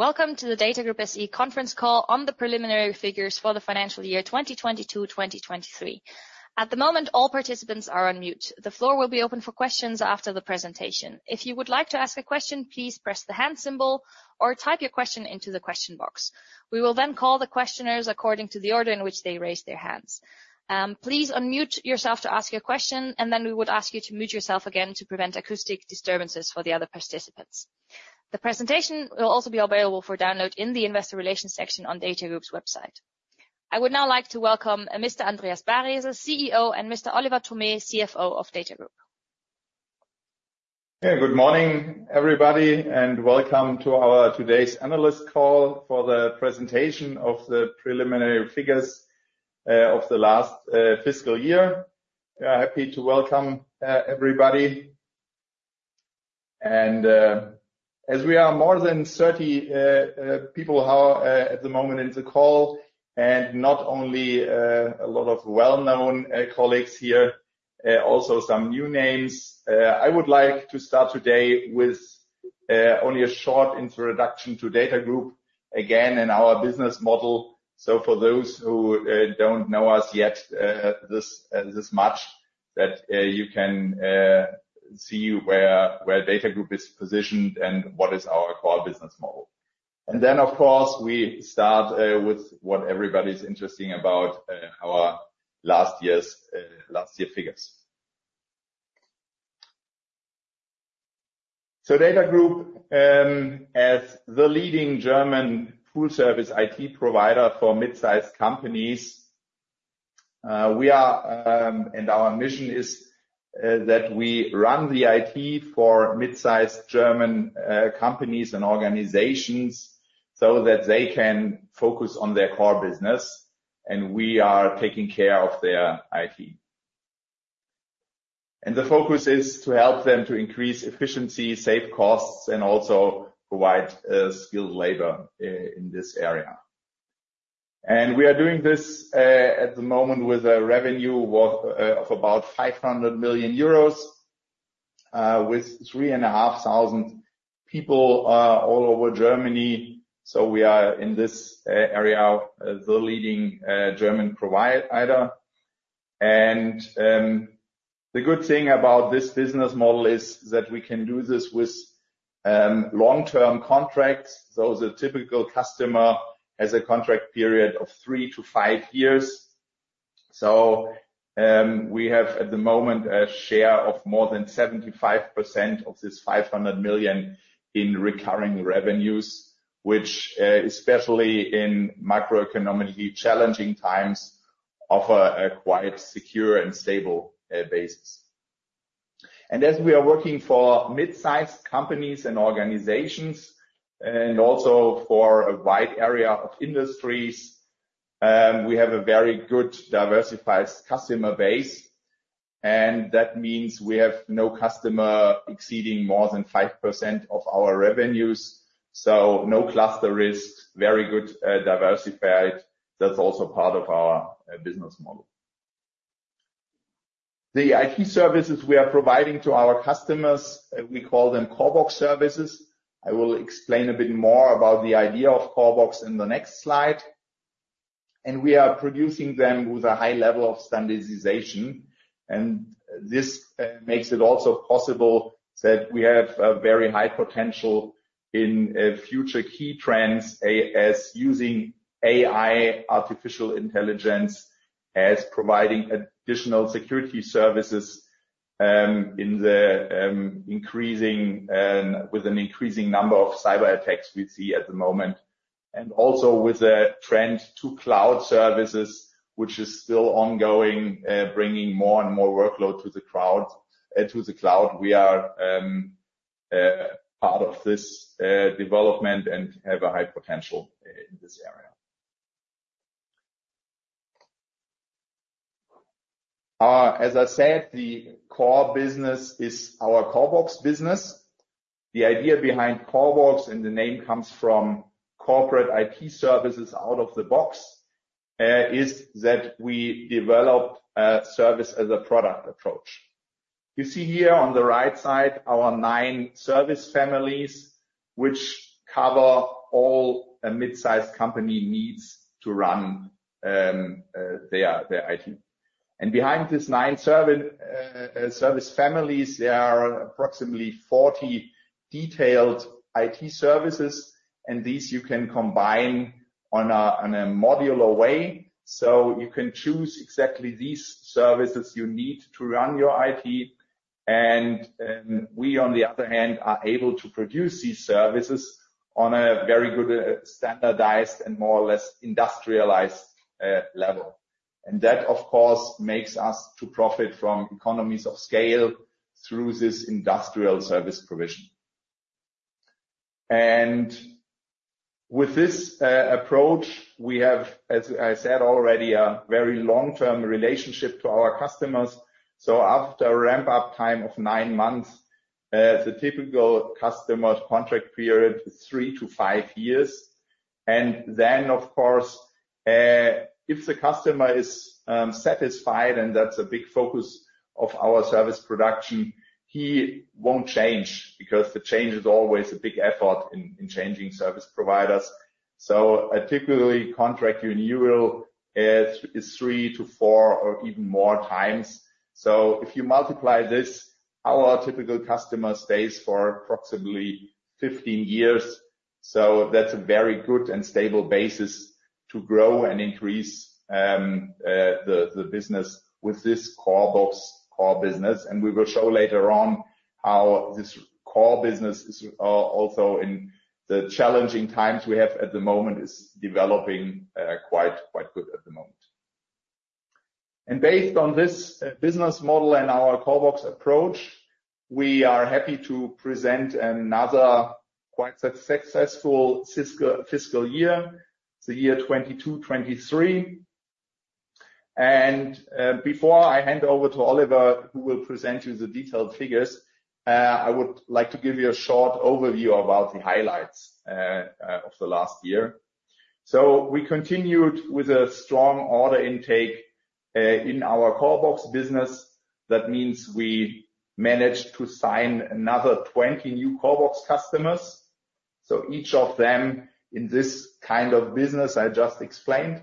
Welcome to the DATAGROUP SE conference call on the preliminary figures for the financial year 2022, 2023. At the moment, all participants are on mute. The floor will be open for questions after the presentation. If you would like to ask a question, please press the hand symbol or type your question into the question box. We will then call the questioners according to the order in which they raise their hands. Please unmute yourself to ask your question, and then we would ask you to mute yourself again to prevent acoustic disturbances for the other participants. The presentation will also be available for download in the Investor Relations section on DATAGROUP's website. I would now like to welcome Mr. Andreas Baresel, CEO, and Mr. Oliver Thome, CFO of DATAGROUP. Yeah, good morning, everybody, and welcome to our today's analyst call for the presentation of the preliminary figures of the last fiscal year. We are happy to welcome everybody. As we are more than 30 people at the moment in the call, and not only a lot of well-known colleagues here, also some new names. I would like to start today with only a short introduction to DATAGROUP, again, and our business model. For those who don't know us yet, this much, that you can see where DATAGROUP is positioned and what is our core business model. Then, of course, we start with what everybody's interested about, our last year's last year figures. DATAGROUP, as the leading German full-service IT provider for mid-sized companies, we are. Our mission is that we run the IT for mid-sized German companies and organizations so that they can focus on their core business, and we are taking care of their IT. The focus is to help them to increase efficiency, save costs, and also provide skilled labor in this area. We are doing this at the moment with a revenue worth of about 500 million euros, with 3,500 people, all over Germany. We are, in this area, the leading German provider. The good thing about this business model is that we can do this with long-term contracts. The typical customer has a contract period of 3-5 years. So, we have, at the moment, a share of more than 75% of this 500 million in recurring revenues. Which, especially in macroeconomically challenging times, offer a quite secure and stable basis. And as we are working for mid-sized companies and organizations, and also for a wide area of industries, we have a very good diversified customer base, and that means we have no customer exceeding more than 5% of our revenues. So no cluster risk, very good, diversified. That's also part of our business model. The IT services we are providing to our customers, we call them CORBOX services. I will explain a bit more about the idea of CORBOX in the next slide. We are producing them with a high level of standardization, and this makes it also possible that we have a very high potential in future key trends, as using AI, artificial intelligence, as providing additional security services, in the increasing and with an increasing number of cyberattacks we see at the moment. And also with the trend to cloud services, which is still ongoing, bringing more and more workload to the crowd, to the cloud. We are part of this development and have a high potential in this area. As I said, the core business is our CORBOX business. The idea behind CORBOX, and the name comes from corporate IT services out of the box, is that we developed a service as a product approach. You see here on the right side, our 9 service families, which cover all a mid-sized company needs to run their IT. And behind these 9 service families, there are approximately 40 detailed IT services, and these you can combine on a modular way. So you can choose exactly these services you need to run your IT. And we, on the other hand, are able to produce these services on a very good standardized and more or less industrialized level. And that, of course, makes us to profit from economies of scale through this industrial service provision. And with this approach, we have, as I said already, a very long-term relationship to our customers. So after a ramp-up time of 9 months, the typical customer contract period is 3-5 years. And then, of course, if the customer is satisfied, and that's a big focus of our service production, he won't change, because the change is always a big effort in changing service providers. So a typical contract renewal is 3-4 or even more times. So if you multiply this, our typical customer stays for approximately 15 years. So that's a very good and stable basis to grow and increase the business with this CORBOX core business. And we will show later on how this core business is also in the challenging times we have at the moment developing quite good at the moment. And based on this business model and our CORBOX approach, we are happy to present another quite successful fiscal year, the year 2022-2023. And, before I hand over to Oliver, who will present you the detailed figures, I would like to give you a short overview about the highlights of the last year. So we continued with a strong order intake in our CORBOX business. That means we managed to sign another 20 new CORBOX customers. So each of them in this kind of business, I just explained.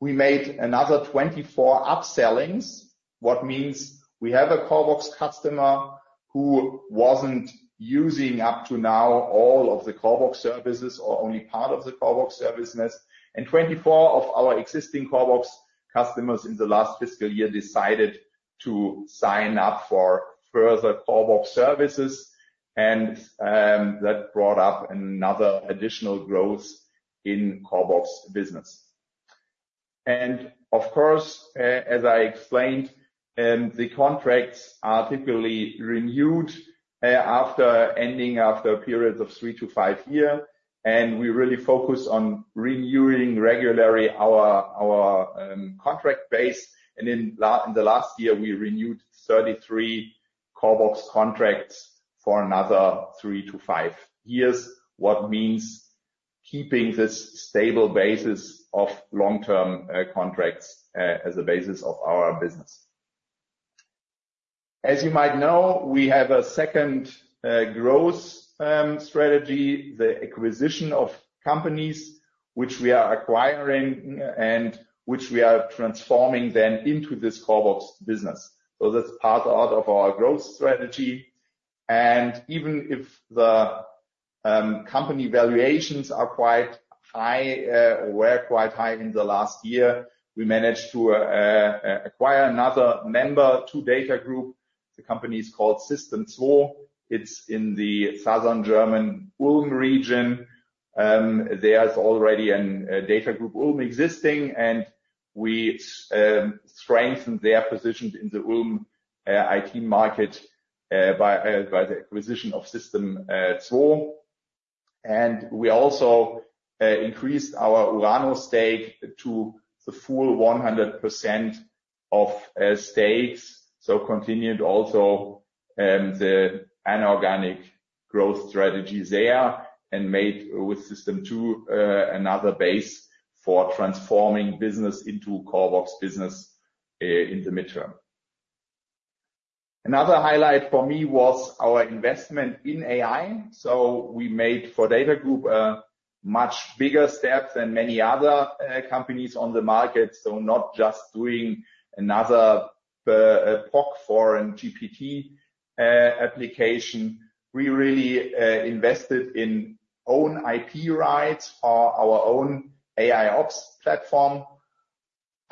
We made another 24 up-sellings, what means we have a CORBOX customer who wasn't using up to now all of the CORBOX services or only part of the CORBOX service. And 24 of our existing CORBOX customers in the last fiscal year decided to sign up for further CORBOX services, and that brought up another additional growth in CORBOX business. Of course, as I explained, the contracts are typically renewed after a period of three to five years, and we really focus on renewing regularly our contract base. In the last year, we renewed 33 CORBOX contracts for another three to five years, what means keeping this stable basis of long-term contracts as a basis of our business. As you might know, we have a second growth strategy, the acquisition of companies, which we are acquiring and which we are transforming then into this CORBOX business. So that's part of our growth strategy. Even if the company valuations are quite high, were quite high in the last year, we managed to acquire another member to DATAGROUP. The company is called systemzwo. It's in the southern German Ulm region, there's already an DATAGROUP Ulm existing, and we strengthened their position in the Ulm IT market by the acquisition of systemzwo. And we also increased our Urano stake to the full 100% of stakes. So continued also the inorganic growth strategy there and made with systemzwo another base for transforming business into CORBOX business in the mid-term. Another highlight for me was our investment in AI. So we made for DATAGROUP a much bigger step than many other companies on the market. So not just doing another POC for an GPT application. We really invested in own IP rights or our own AIOps platform.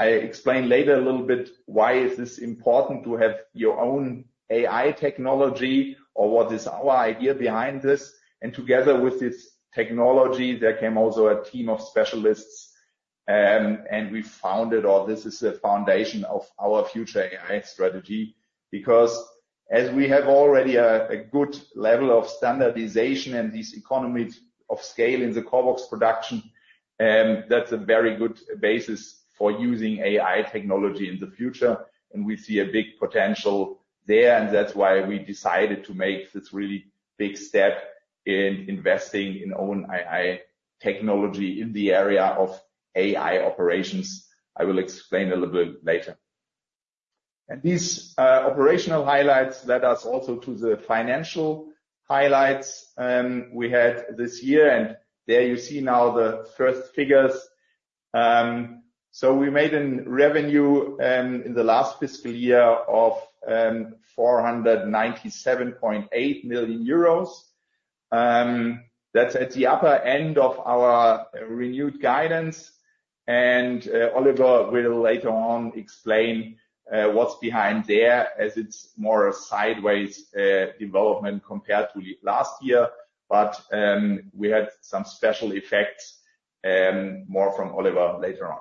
I explain later a little bit why is this important to have your own AI technology or what is our idea behind this. Together with this technology, there came also a team of specialists, and we founded, or this is the foundation of our future AI strategy, because as we have already a good level of standardization and this economy of scale in the CORBOX production, that's a very good basis for using AI technology in the future, and we see a big potential there, and that's why we decided to make this really big step in investing in own AI technology in the area of AI operations. I will explain a little bit later. These operational highlights led us also to the financial highlights we had this year, and there you see now the first figures. So we made a revenue in the last fiscal year of 497.8 million euros. That's at the upper end of our renewed guidance, and Oliver will later on explain what's behind there, as it's more a sideways development compared to last year. But we had some special effects, more from Oliver later on.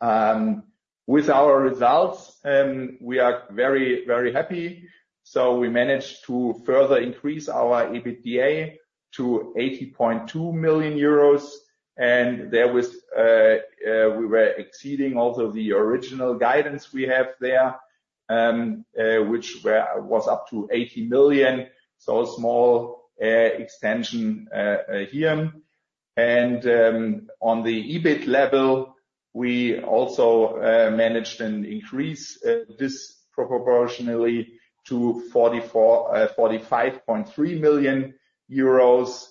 With our results, we are very, very happy. So we managed to further increase our EBITDA to 80.2 million euros, and we were exceeding also the original guidance we have there, which was up to 80 million, so a small extension here. On the EBIT level, we also managed an increase this proportionally to 45.3 million euros.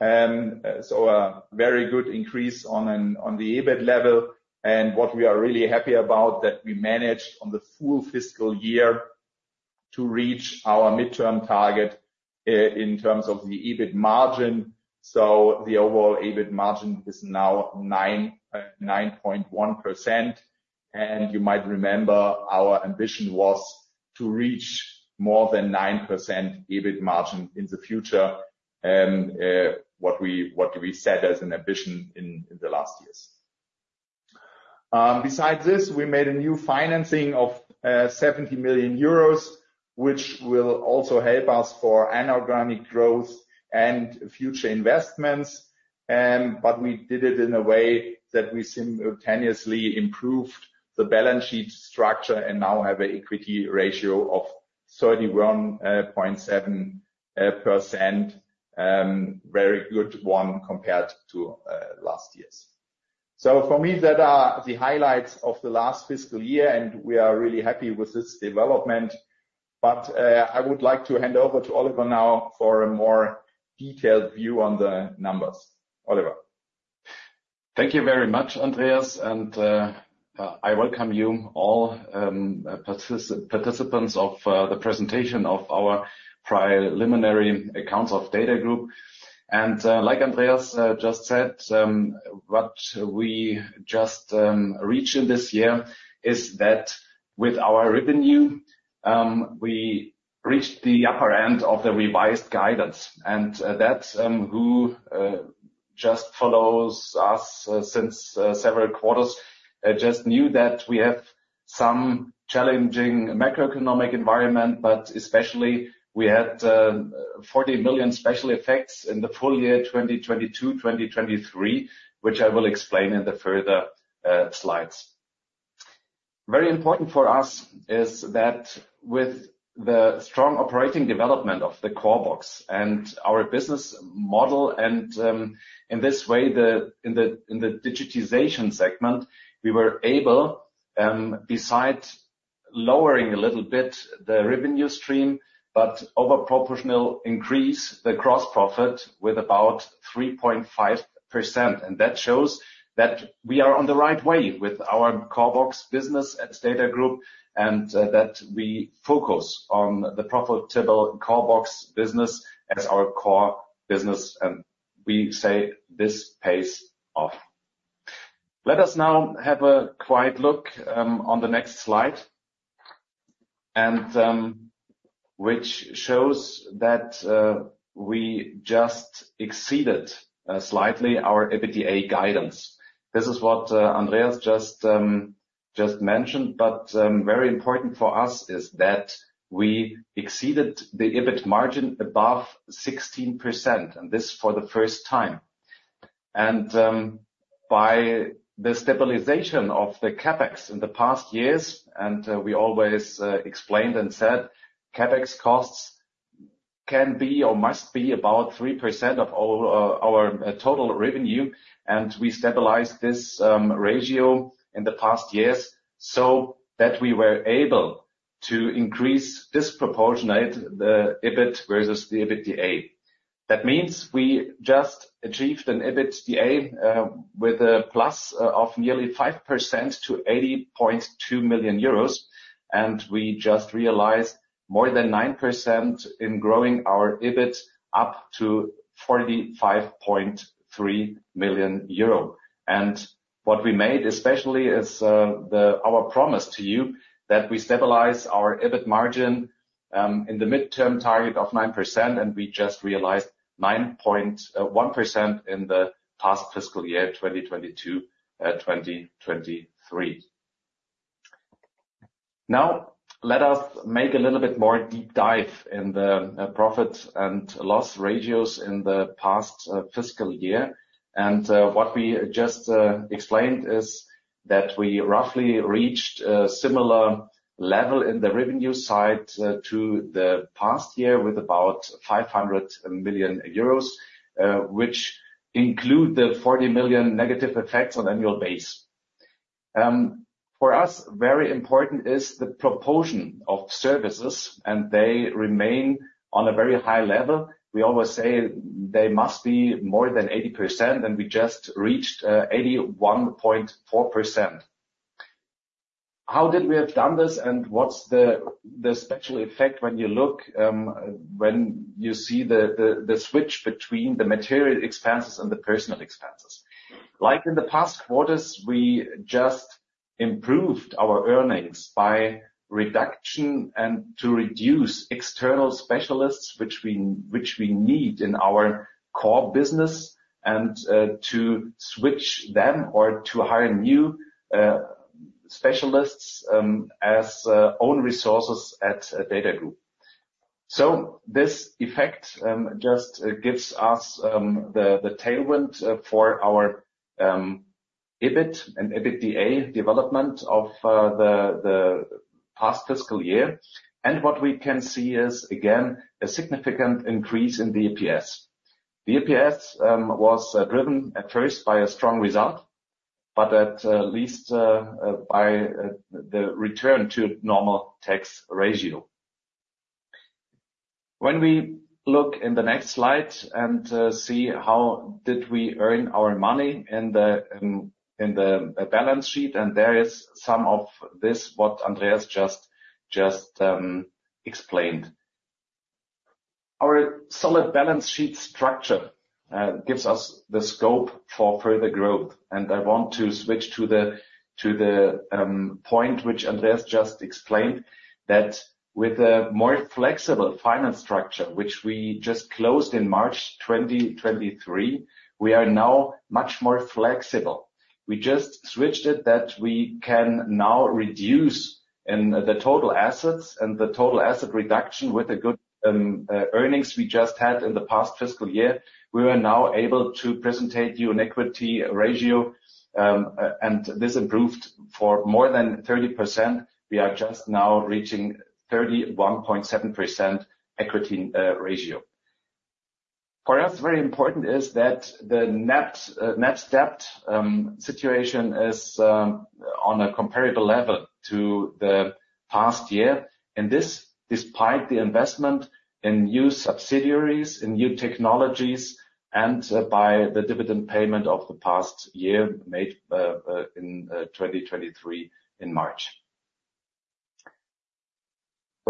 So a very good increase on the EBIT level. And what we are really happy about, that we managed on the full fiscal year to reach our midterm target in terms of the EBIT margin. So the overall EBIT margin is now 9.1%. And you might remember our ambition was to reach more than 9% EBIT margin in the future, and what we set as an ambition in the last years. Besides this, we made a new financing of 70 million euros, which will also help us for an organic growth and future investments. But we did it in a way that we simultaneously improved the balance sheet structure and now have an equity ratio of 31.7%. Very good one compared to last year's. So for me, that are the highlights of the last fiscal year, and we are really happy with this development. But, I would like to hand over to Oliver now for a more detailed view on the numbers. Oliver? Thank you very much, Andreas, and I welcome you all, participants of the presentation of our preliminary accounts of DATAGROUP. And, like Andreas just said, what we just reached this year is that with our revenue, we reached the upper end of the revised guidance. And, that who just follows us since several quarters just knew that we have some challenging macroeconomic environment, but especially we had 40 million special effects in the full year, 2022, 2023, which I will explain in the further slides. Very important for us is that with the strong operating development of the CORBOX and our business model, and, in this way, in the digitization segment, we were able, besides lowering a little bit the revenue stream, but over proportional increase the gross profit with about 3.5%. And that shows that we are on the right way with our CORBOX business at DATAGROUP, and, that we focus on the profitable CORBOX business as our core business, and we say this pays off. Let us now have a quiet look on the next slide, and, which shows that, we just exceeded slightly our EBITDA guidance. This is what Andreas just mentioned, but very important for us is that we exceeded the EBIT margin above 16%, and this for the first time. And by the stabilization of the CapEx in the past years, and we always explained and said CapEx costs can be or must be about 3% of all our total revenue, and we stabilized this ratio in the past years, so that we were able to increase disproportionate the EBIT versus the EBITDA. That means we just achieved an EBITDA with a plus of nearly 5% to 80.2 million euros, and we just realized more than 9% in growing our EBIT up to 45.3 million euro. And what we made especially is our promise to you that we stabilize our EBIT margin in the midterm target of 9%, and we just realized 9.1% in the past fiscal year 2022-2023. Now, let us make a little bit more deep dive in the profit and loss ratios in the past fiscal year. What we just explained is that we roughly reached a similar level in the revenue side to the past year, with about 500 million euros, which include the 40 million negative effects on an annual basis. For us, very important is the proportion of services, and they remain on a very high level. We always say they must be more than 80%, and we just reached 81.4%. How did we have done this, and what's the special effect when you look, when you see the switch between the material expenses and the personal expenses? Like in the past quarters, we just improved our earnings by reduction and to reduce external specialists, which we need in our core business, and to switch them or to hire new specialists as own resources at DATAGROUP. So this effect just gives us the tailwind for our EBIT and EBITDA development of the past fiscal year. And what we can see is, again, a significant increase in the EPS. The EPS was driven at first by a strong result, but at least by the return to normal tax ratio. When we look in the next slide and see how did we earn our money in the balance sheet, and there is some of this, what Andreas just explained. Our solid balance sheet structure gives us the scope for further growth, and I want to switch to the point which Andreas just explained, that with a more flexible finance structure, which we just closed in March 2023, we are now much more flexible. We just switched it that we can now reduce in the total assets and the total asset reduction with the good earnings we just had in the past fiscal year. We are now able to present to you an equity ratio, and this improved for more than 30%. We are just now reaching 31.7% equity ratio. For us, very important is that the net debt situation is on a comparable level to the past year, and this despite the investment in new subsidiaries, in new technologies, and by the dividend payment of the past year made in 2023 in March.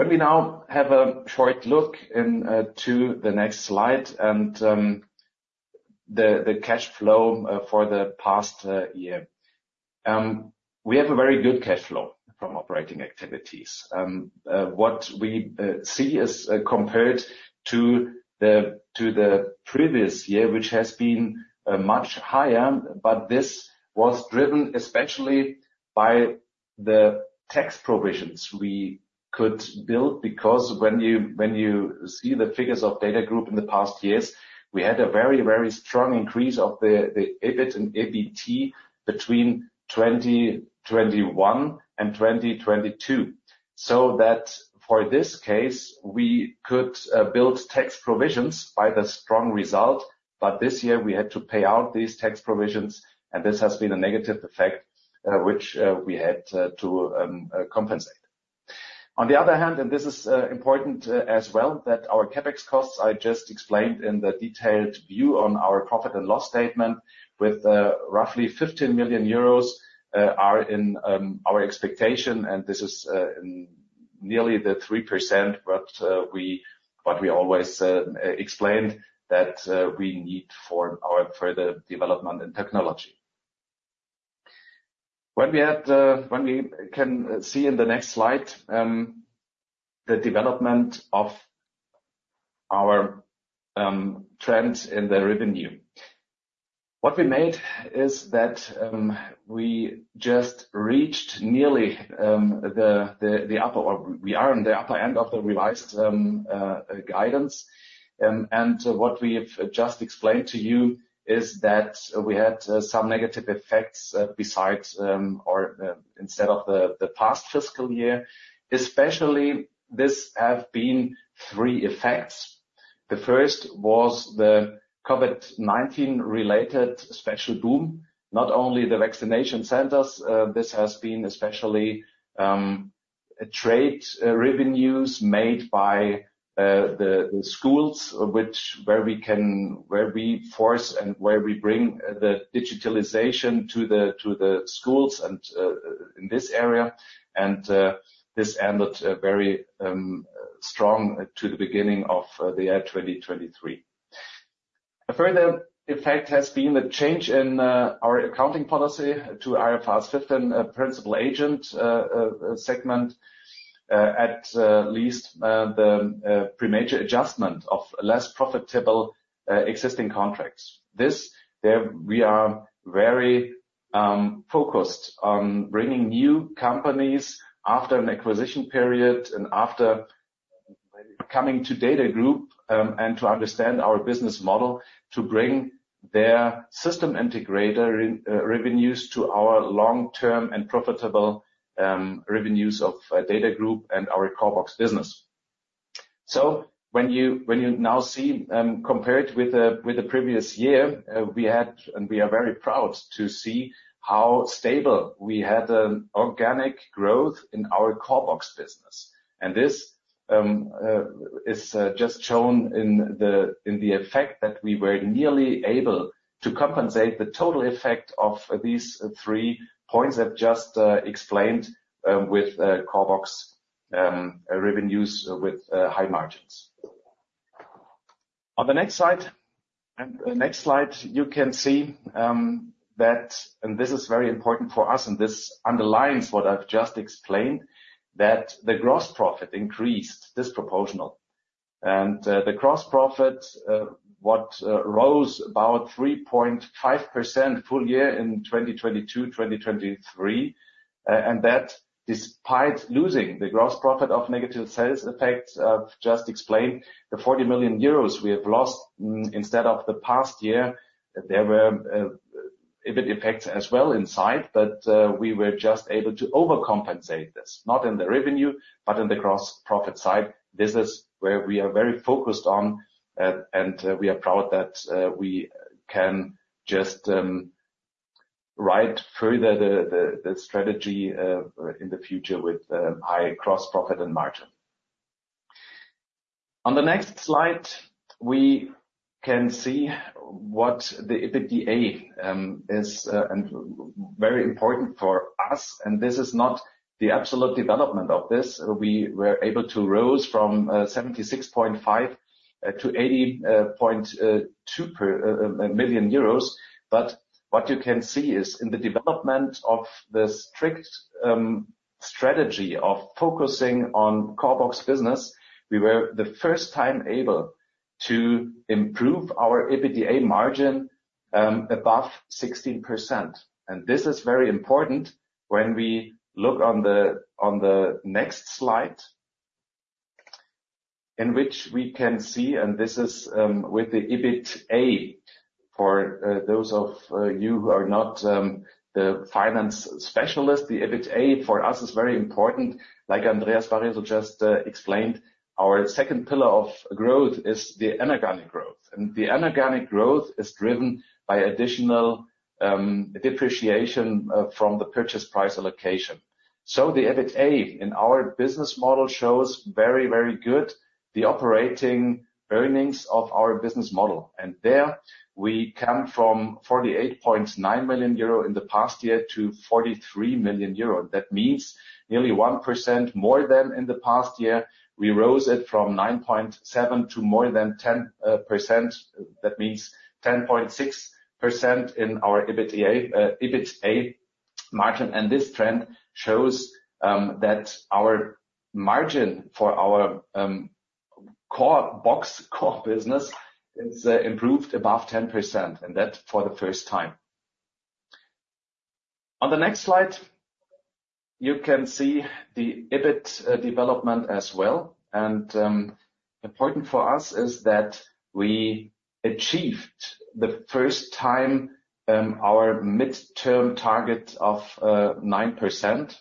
When we now have a short look into the next slide and the cash flow for the past year. We have a very good cash flow from operating activities. What we see is compared to the previous year, which has been much higher, but this was driven especially by the tax provisions we could build. Because when you see the figures of DATAGROUP in the past years, we had a very, very strong increase of the EBIT and EBT between 2021 and 2022. So that for this case, we could build tax provisions by the strong result, but this year we had to pay out these tax provisions, and this has been a negative effect, which we had to compensate. On the other hand, and this is important as well, that our CapEx costs, I just explained in the detailed view on our profit and loss statement, with roughly 15 million euros, are in our expectation, and this is in nearly the 3%, what we always explained that we need for our further development in technology. When we can see in the next slide, the development of our trends in the revenue. What we made is that we just reached nearly the upper or we are on the upper end of the revised guidance. And what we have just explained to you is that we had some negative effects besides or instead of the past fiscal year, especially, this have been three effects. The first was the COVID-19 related special boom, not only the vaccination centers, this has been especially trade revenues made by the schools, where we bring the digitalization to the schools and in this area, and this ended very strong to the beginning of the year 2023. A further effect has been the change in our accounting policy to IFRS 15 and Principal Agent segment, at least the premature adjustment of less profitable existing contracts. We are very focused on bringing new companies after an acquisition period and after coming to DATAGROUP, and to understand our business model, to bring their system integrator revenues to our long-term and profitable revenues of DATAGROUP and our CORBOX business. So when you now see, compared with the previous year, we had, and we are very proud to see how stable we had an organic growth in our CORBOX business. And this is just shown in the effect that we were nearly able to compensate the total effect of these three points I've just explained, with CORBOX revenues with high margins. On the next slide, and the next slide, you can see, that, and this is very important for us, and this underlines what I've just explained, that the gross profit increased disproportionally. The gross profit rose about 3.5% full year in 2022, 2023. And that despite losing the gross profit of negative sales effects, I've just explained, the 40 million euros we have lost instead of the past year, there were EBIT effects as well inside, but we were just able to overcompensate this, not in the revenue, but in the gross profit side. This is where we are very focused on, and we are proud that we can just ride further the strategy in the future with high gross profit and margin. On the next slide, we can see what the EBITDA is, and very important for us, and this is not the absolute development of this. We were able to rose from 76.5 to 80.2 million euros. But what you can see is in the development of the strict strategy of focusing on CORBOX business, we were the first time able to improve our EBITDA margin above 16%. And this is very important when we look on the next slide, in which we can see, and this is with the EBITA. For those of you who are not the finance specialist, the EBITA for us is very important. Like Andreas Baresel just explained, our second pillar of growth is the inorganic growth, and the inorganic growth is driven by additional depreciation from the Purchase Price Allocation. So the EBITA in our business model shows very, very good the operating earnings of our business model, and there we come from 48.9 million euro in the past year to 43 million euro. That means nearly 1% more than in the past year. We rose it from 9.7 to more than 10%. That means 10.6% in our EBITA margin. And this trend shows that our margin for our CORBOX core business is improved above 10%, and that for the first time. On the next slide, you can see the EBIT development as well. Important for us is that we achieved the first time our midterm target of 9%,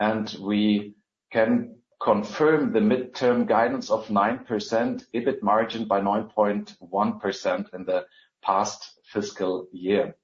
and we can confirm the midterm guidance of 9% EBIT margin by 9.1% in the past fiscal year.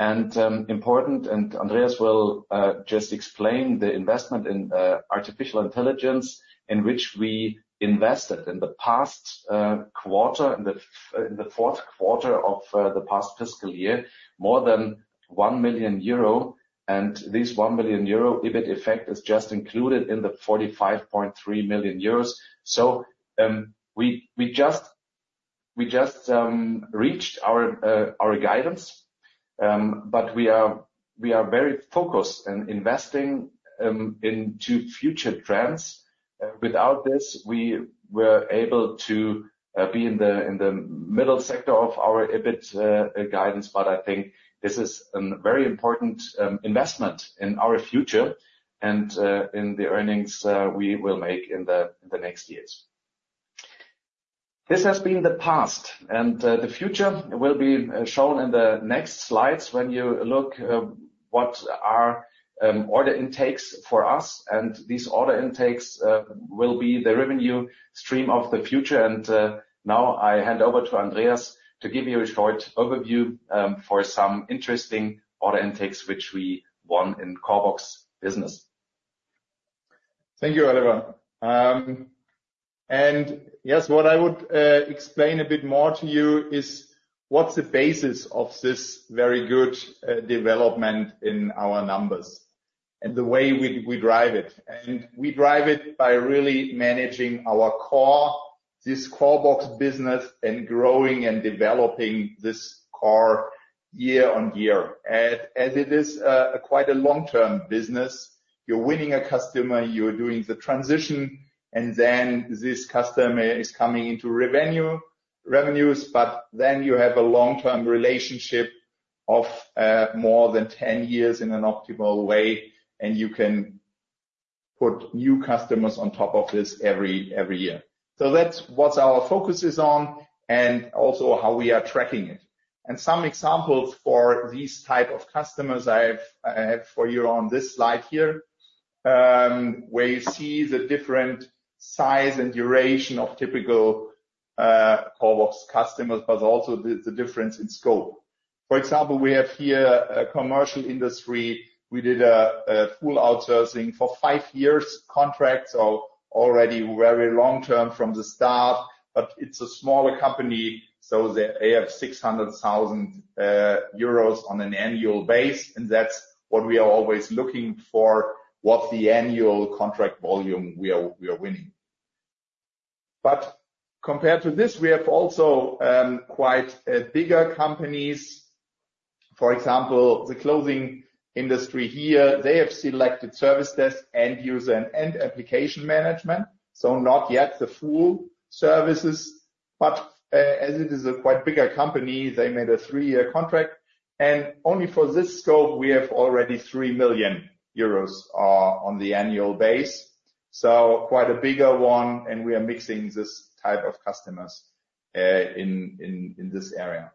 Important, Andreas will just explain the investment in artificial intelligence, in which we invested in the past quarter, in the fourth quarter of the past fiscal year, more than 1 million euro. And this 1 million euro EBIT effect is just included in the 45.3 million euros. So, we just reached our guidance. But we are very focused in investing into future trends. Without this, we were able to be in the middle sector of our EBIT guidance. But I think this is a very important investment in our future and in the earnings we will make in the next years. This has been the past, and the future will be shown in the next slides when you look what are order intakes for us, and these order intakes will be the revenue stream of the future. And now I hand over to Andreas to give you a short overview for some interesting order intakes, which we won in CORBOX business. Thank you, Oliver. And yes, what I would explain a bit more to you is what's the basis of this very good development in our numbers and the way we drive it. And we drive it by really managing our core, this CORBOX business, and growing and developing this core year on year. And as it is, quite a long-term business, you're winning a customer, you're doing the transition, and then this customer is coming into revenue, revenues, but then you have a long-term relationship of more than 10 years in an optimal way, and you can put new customers on top of this every year. So that's what our focus is on and also how we are tracking it. And some examples for these type of customers I have, I have for you on this slide here, where you see the different size and duration of typical CORBOX customers, but also the, the difference in scope. For example, we have here a commercial industry. We did a full outsourcing for five years contract, so already very long term from the start, but it's a smaller company, so they have 600,000 euros on an annual base, and that's what we are always looking for, what the annual contract volume we are winning. But compared to this, we have also quite bigger companies. For example, the clothing industry here, they have selected service desk, end user, and end application management. Not yet the full services, but as it is a quite bigger company, they made a three-year contract. Only for this scope, we have already 3 million euros on the annual base. Quite a bigger one, and we are mixing this type of customers in this area.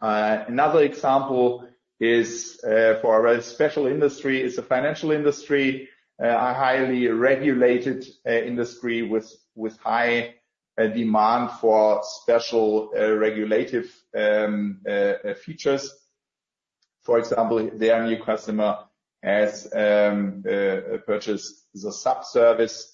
Another example is for a very special industry, the financial industry, a highly regulated industry with high demand for special regulative features. For example, their new customer has purchased the sub service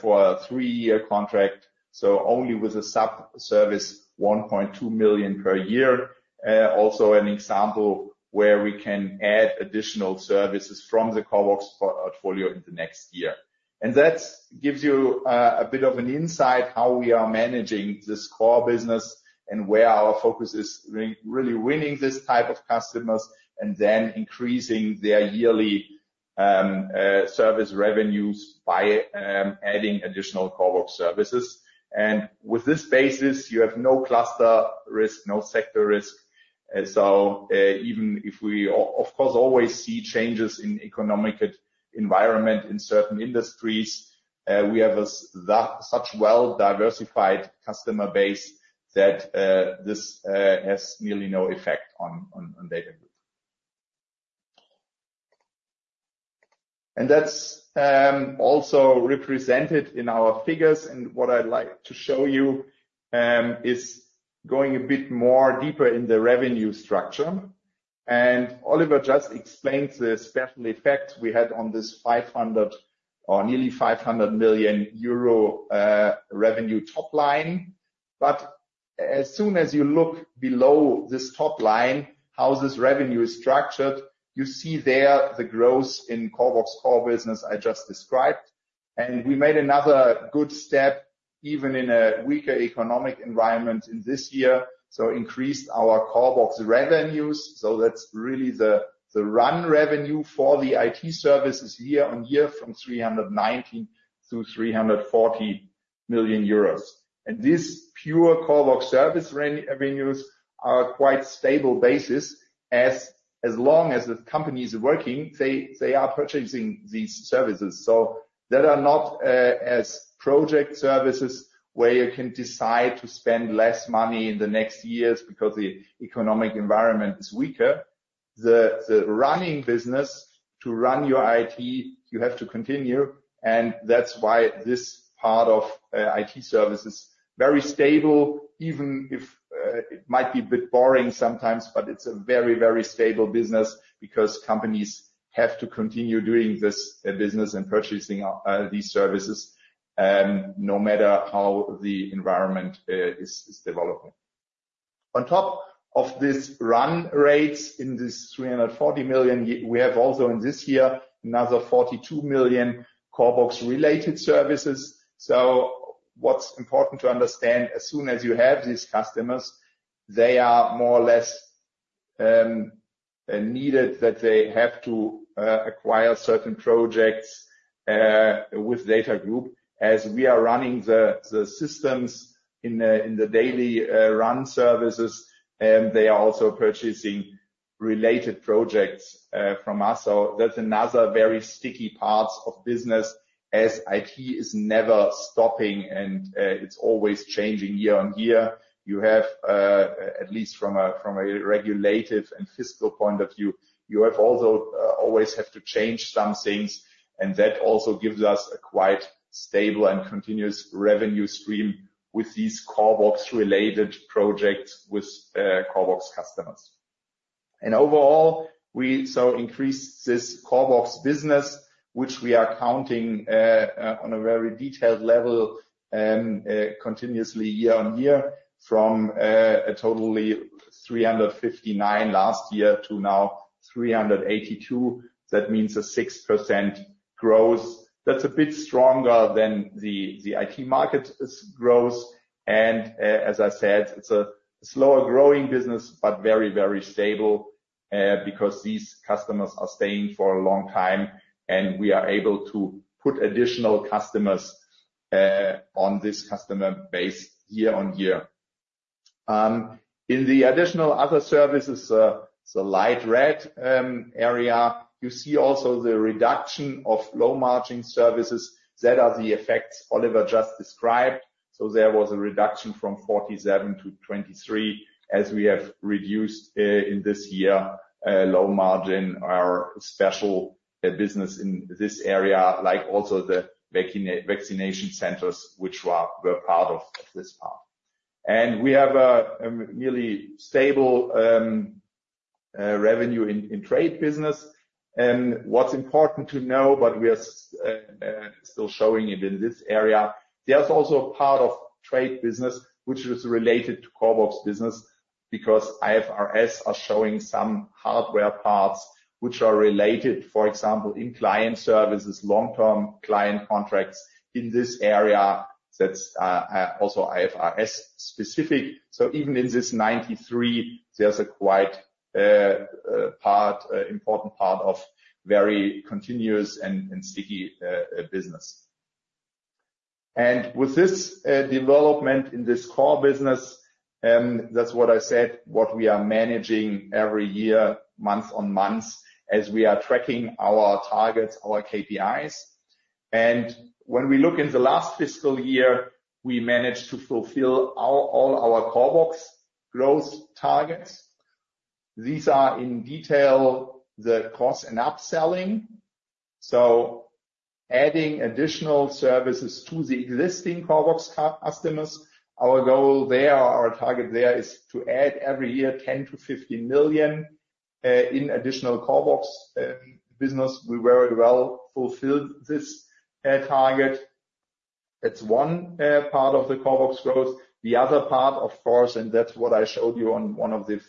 for a three-year contract, so only with a sub service, 1.2 million per year. Also an example where we can add additional services from the CORBOX portfolio in the next year. And that gives you a bit of an insight how we are managing this core business and where our focus is really winning this type of customers, and then increasing their yearly service revenues by adding additional CORBOX services. And with this basis, you have no cluster risk, no sector risk. So, even if we of course always see changes in economic environment in certain industries, we have such well-diversified customer base that this has nearly no effect on DATAGROUP. And that's also represented in our figures, and what I'd like to show you is going a bit more deeper in the revenue structure. And Oliver just explained the special effect we had on this 500 million or nearly 500 million euro revenue top line. But as soon as you look below this top line, how this revenue is structured, you see there the growth in CORBOX core business I just described. And we made another good step, even in a weaker economic environment in this year, so increased our CORBOX revenues. So that's really the recurring revenue for the IT services year-on-year from 319 million to 340 million euros. And this pure CORBOX service revenues are quite stable basis as long as the company is working, they are purchasing these services. So there are not as project services where you can decide to spend less money in the next years because the economic environment is weaker. The running business to run your IT, you have to continue, and that's why this part of IT service is very stable, even if it might be a bit boring sometimes, but it's a very, very stable business because companies have to continue doing this business and purchasing these services no matter how the environment is developing. On top of this run rate in this 340 million, we have also in this year, another 42 million CORBOX related services. So what's important to understand, as soon as you have these customers, they are more or less needed, that they have to acquire certain projects with DATAGROUP as we are running the systems in the daily run services, they are also purchasing related projects from us. So that's another very sticky parts of business as IT is never stopping, and, it's always changing year-over-year. You have, at least from a, from a regulative and fiscal point of view, you have also, always have to change some things, and that also gives us a quite stable and continuous revenue stream with these CORBOX related projects with, CORBOX customers. And overall, we so increase this CORBOX business, which we are counting, on a very detailed level, continuously year-over-year from, a totally 359 last year to now 382. That means a 6% growth. That's a bit stronger than the, the IT market is growth. And, as I said, it's a slower growing business, but very, very stable, because these customers are staying for a long time, and we are able to put additional customers on this customer base year on year. In the additional other services, the light red area, you see also the reduction of low margin services. That are the effects Oliver just described. There was a reduction from 47 to 23, as we have reduced in this year low margin, our special business in this area, like also the vaccination centers, which were part of this part. And we have a nearly stable revenue in trade business. What's important to know, but we are still showing it in this area, there's also a part of trade business which is related to CORBOX business because IFRS are showing some hardware parts, which are related, for example, in client services, long-term client contracts in this area, that's also IFRS specific. So even in this 93, there's a quite important part of very continuous and sticky business. And with this development in this core business, that's what I said, what we are managing every year, month-on-month, as we are tracking our targets, our KPIs. And when we look in the last fiscal year, we managed to fulfill our all our CORBOX growth targets. These are in detail, the cross and upselling. So adding additional services to the existing CORBOX customers, our goal there, our target there, is to add every year, 10-15 million in additional CORBOX business. We very well fulfilled this target. That's 1 part of the CORBOX growth. The other part, of course, and that's what I showed you on one of the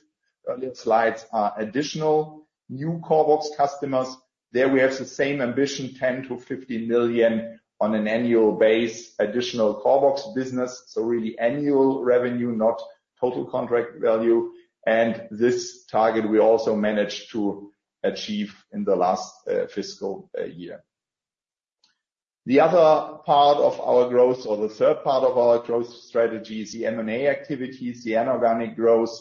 earlier slides, are additional new CORBOX customers. There we have the same ambition, 10-15 million on an annual basis, additional CORBOX business. So really annual revenue, not total contract value. And this target, we also managed to achieve in the last fiscal year. The other part of our growth, or the third part of our growth strategy is the M&A activities, the inorganic growth,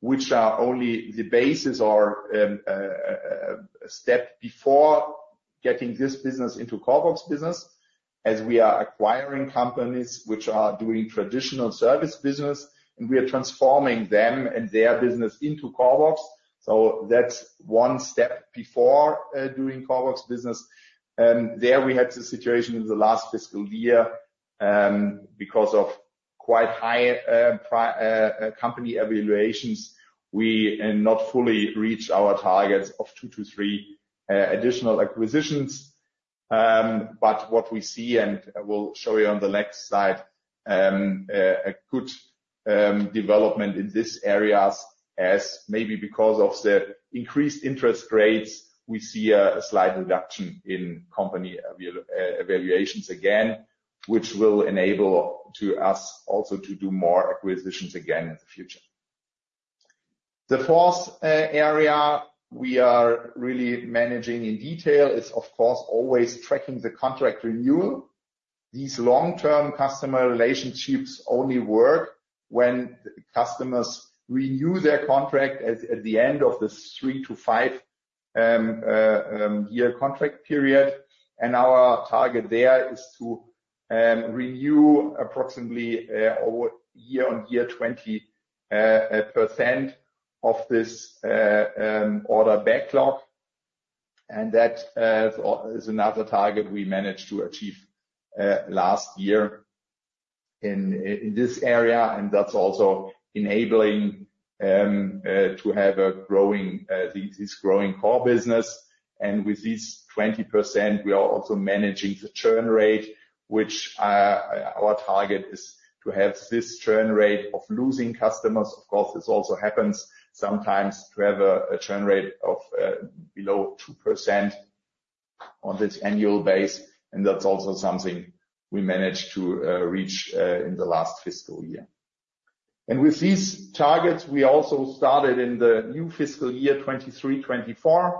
which are only the basis or a step before getting this business into CORBOX business. As we are acquiring companies which are doing traditional service business, and we are transforming them and their business into CORBOX. So that's one step before doing CORBOX business. There we had the situation in the last fiscal year, because of quite high company evaluations, we not fully reached our targets of 2-3 additional acquisitions. But what we see, and I will show you on the next slide, a good development in these areas, as maybe because of the increased interest rates, we see a slight reduction in company evaluations, again, which will enable to us also to do more acquisitions again in the future. The fourth area we are really managing in detail is, of course, always tracking the contract renewal. These long-term customer relationships only work when customers renew their contract at the end of the three-to-five-year contract period. And our target there is to renew approximately, year-over-year, 20% of this order backlog. That is another target we managed to achieve last year in this area, and that's also enabling to have a growing core business. And with this 20%, we are also managing the churn rate, which our target is to have this churn rate of losing customers. Of course, this also happens sometimes to have a churn rate of below 2% on this annual base, and that's also something we managed to reach in the last fiscal year. And with these targets, we also started in the new fiscal year, 2023-2024,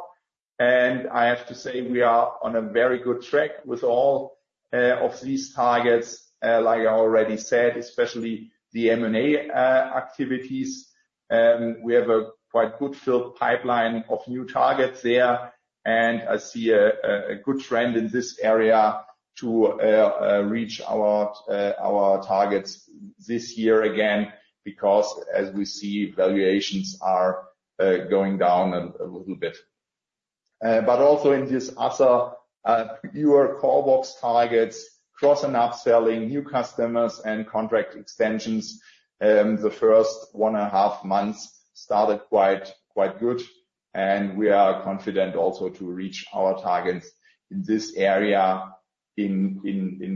and I have to say we are on a very good track with all of these targets like I already said, especially the M&A activities. We have a quite good filled pipeline of new targets there, and I see a good trend in this area to reach our targets this year again, because as we see, valuations are going down a little bit. But also in this other your CORBOX targets, cross and upselling, new customers and contract extensions, the first one and a half months started quite good, and we are confident also to reach our targets in this area in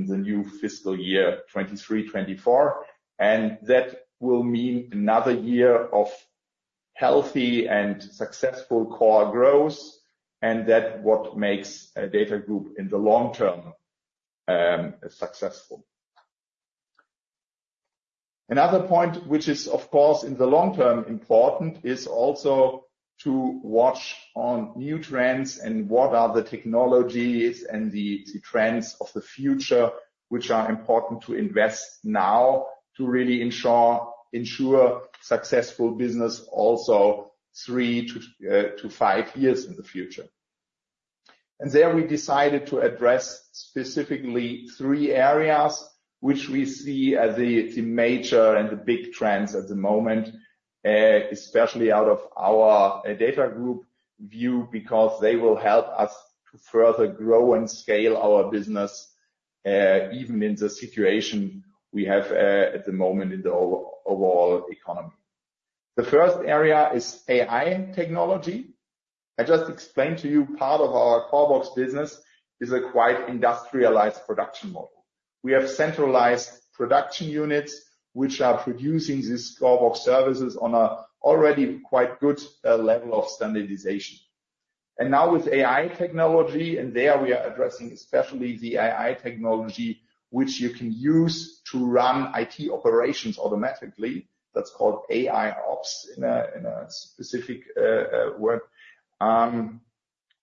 the new fiscal year, 2023-2024. And that will mean another year of healthy and successful core growth, and that what makes DATAGROUP in the long term successful. Another point, which is, of course, in the long term, important, is also to watch on new trends and what are the technologies and the trends of the future, which are important to invest now to really ensure successful business also three to five years in the future. And there we decided to address specifically three areas, which we see as the major and the big trends at the moment, especially out of our DATAGROUP view, because they will help us to further grow and scale our business, even in the situation we have at the moment in the overall economy. The first area is AI technology. I just explained to you, part of our CORBOX business is a quite industrialized production model. We have centralized production units, which are producing these CORBOX services on an already quite good level of standardization. Now with AI technology, and there we are addressing especially the AI technology, which you can use to run IT operations automatically. That's called AIOps, in a specific word.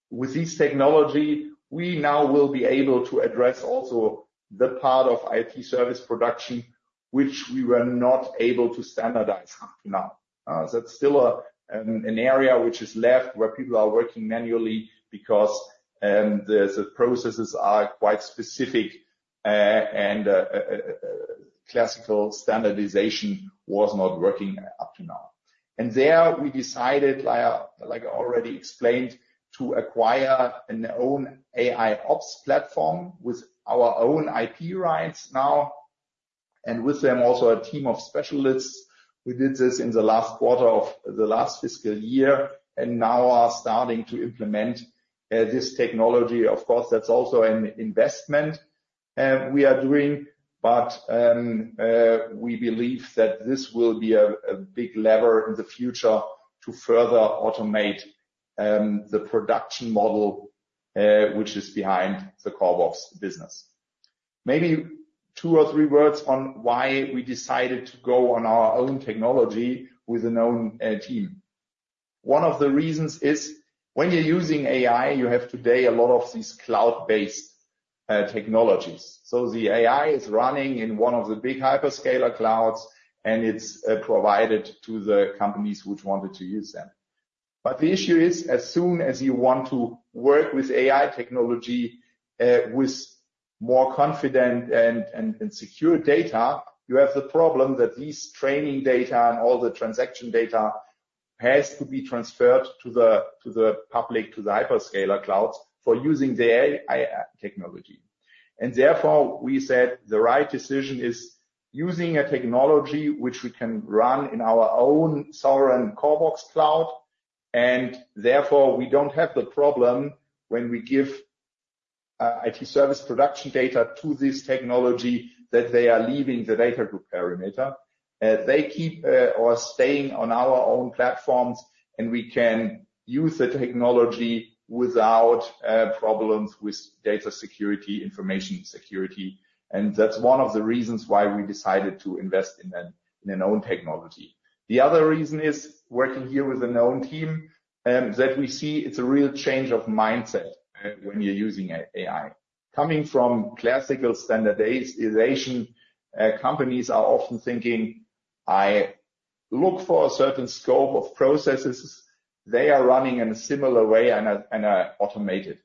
With this technology, we now will be able to address also the part of IT service production, which we were not able to standardize up to now. That's still an area which is left, where people are working manually because the processes are quite specific and classical standardization was not working up to now. And there, we decided, like I already explained, to acquire our own AIOps platform with our own IP rights now, and with them, also a team of specialists. We did this in the last quarter of the last fiscal year, and now are starting to implement this technology. Of course, that's also an investment we are doing, but we believe that this will be a big lever in the future to further automate the production model which is behind the CORBOX business. Maybe two or three words on why we decided to go on our own technology with an own team. One of the reasons is, when you're using AI, you have today a lot of these cloud-based technologies. So the AI is running in one of the big hyperscaler clouds, and it's provided to the companies which wanted to use them. But the issue is, as soon as you want to work with AI technology, with more confident and secure data, you have the problem that these training data and all the transaction data has to be transferred to the public hyperscaler clouds, for using the AI technology. And therefore, we said, the right decision is using a technology which we can run in our own sovereign CORBOX cloud, and therefore, we don't have the problem when we give IT service production data to this technology, that they are leaving the DATAGROUP perimeter. They keep or staying on our own platforms, and we can use the technology without problems with data security, information security, and that's one of the reasons why we decided to invest in an own technology. The other reason is working here with an own team, that we see it's a real change of mindset, when you're using AI. Coming from classical standardization, companies are often thinking, "I look for a certain scope of processes. They are running in a similar way and are automated."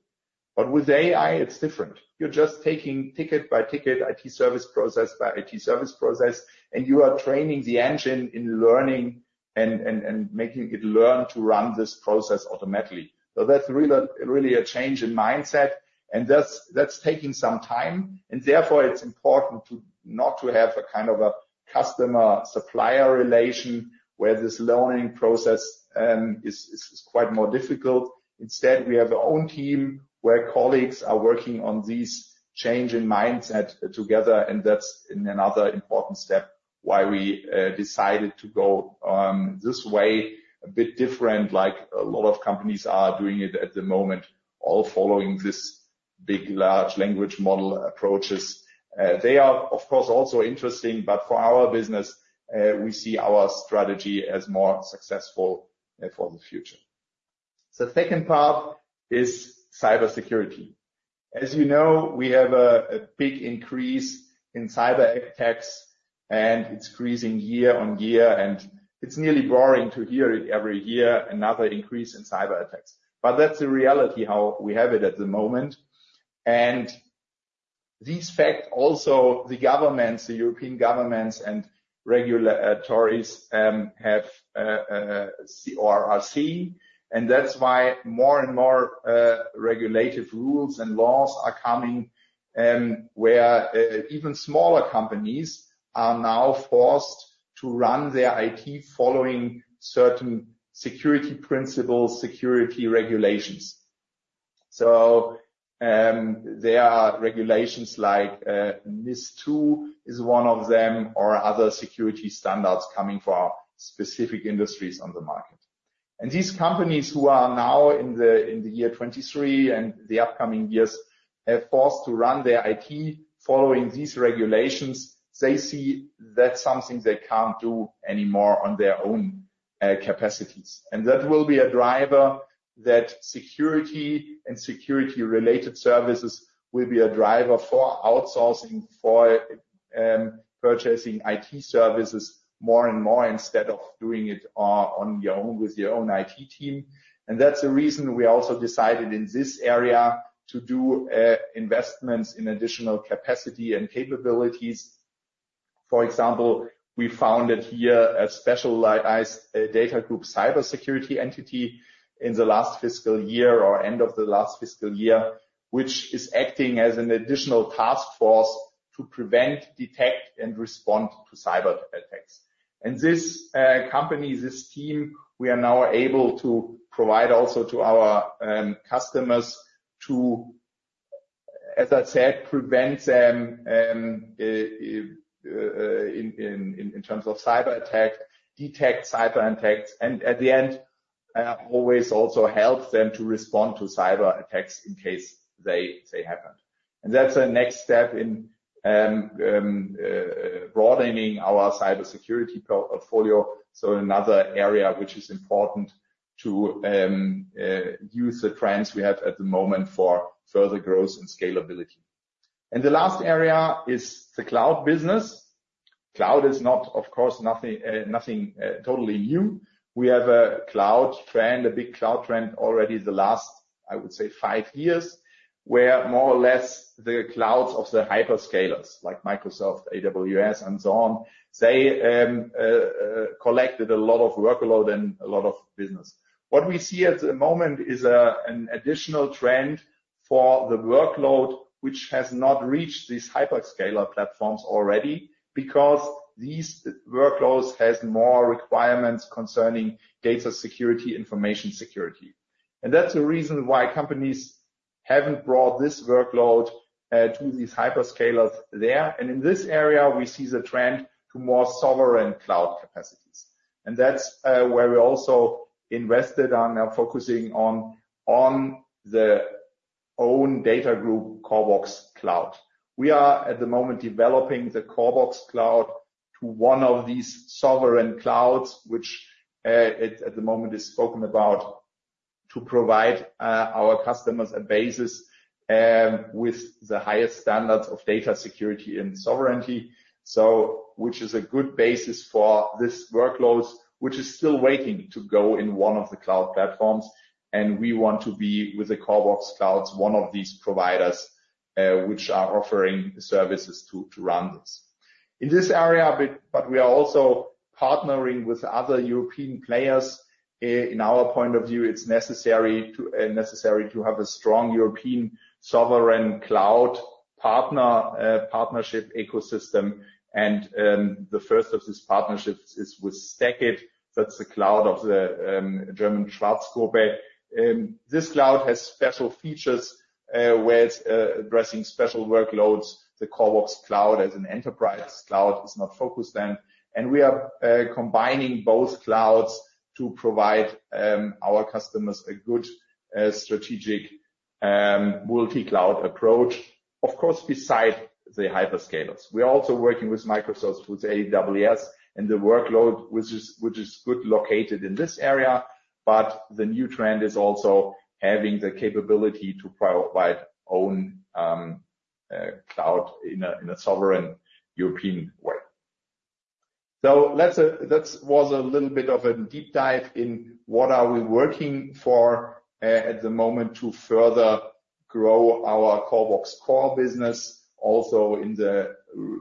But with AI, it's different. You're just taking ticket by ticket, IT service process by IT service process, and you are training the engine in learning and making it learn to run this process automatically. So that's really, really a change in mindset, and that's taking some time, and therefore, it's important to not have a kind of a customer-supplier relation, where this learning process is quite more difficult. Instead, we have our own team, where colleagues are working on these change in mindset together, and that's another important step why we decided to go this way. A bit different, like a lot of companies are doing it at the moment, all following this big, large language model approaches. They are, of course, also interesting, but for our business, we see our strategy as more successful for the future. The second part is cybersecurity. As you know, we have a big increase in cyberattacks, and it's increasing year on year, and it's nearly boring to hear it every year, another increase in cyberattacks. But that's the reality, how we have it at the moment. These facts also, the governments, the European governments and regulators have or are seeing, and that's why more and more regulatory rules and laws are coming, where even smaller companies are now forced to run their IT following certain security principles, security regulations. There are regulations like NIS2 is one of them, or other security standards coming for specific industries on the market. And these companies who are now in the year 2023 and the upcoming years are forced to run their IT following these regulations. They see that's something they can't do anymore on their own capacities. And that will be a driver, that security and security-related services will be a driver for outsourcing for purchasing IT services more and more, instead of doing it on your own, with your own IT team. That's the reason we also decided in this area to do investments in additional capacity and capabilities. For example, we founded here a specialized DATAGROUP cybersecurity entity in the last fiscal year, or end of the last fiscal year, which is acting as an additional task force to prevent, detect, and respond to cyberattacks. And this company, this team, we are now able to provide also to our customers to, as I said, prevent them in terms of cyberattack, detect cyberattacks, and at the end, always also help them to respond to cyberattacks in case they happen. And that's the next step in broadening our cybersecurity portfolio. So another area which is important to use the trends we have at the moment for further growth and scalability. The last area is the cloud business. Cloud is not, of course, nothing totally new. We have a cloud trend, a big cloud trend already, the last, I would say five years, where more or less the clouds of the hyperscalers like Microsoft, AWS, and so on, they collected a lot of workload and a lot of business. What we see at the moment is an additional trend for the workload, which has not reached these hyperscaler platforms already, because these workloads has more requirements concerning data security, information security. And that's the reason why companies haven't brought this workload to these hyperscalers there. And in this area, we see the trend to more sovereign cloud capacities. And that's where we also invested on, now focusing on the own DATAGROUP, CORBOX Cloud. We are at the moment developing the CORBOX Cloud to one of these sovereign clouds, which at the moment is spoken about to provide our customers a basis with the highest standards of data security and sovereignty. So which is a good basis for this workloads, which is still waiting to go in one of the cloud platforms, and we want to be, with the CORBOX Clouds, one of these providers which are offering services to run this. In this area, but we are also partnering with other European players. In our point of view, it's necessary to have a strong European sovereign cloud partnership ecosystem. And the first of these partnerships is with STACKIT. That's the cloud of the German Schwarz Gruppe. This cloud has special features, where it's addressing special workloads. The CORBOX Cloud as an enterprise cloud is not focused then. And we are combining both clouds to provide our customers a good strategic multi-cloud approach. Of course, besides the hyperscalers. We are also working with Microsoft, with AWS, and the workload, which is good located in this area, but the new trend is also having the capability to provide own cloud in a sovereign European way. So that's a little bit of a deep dive in what are we working for at the moment to further grow our CORBOX core business, also in the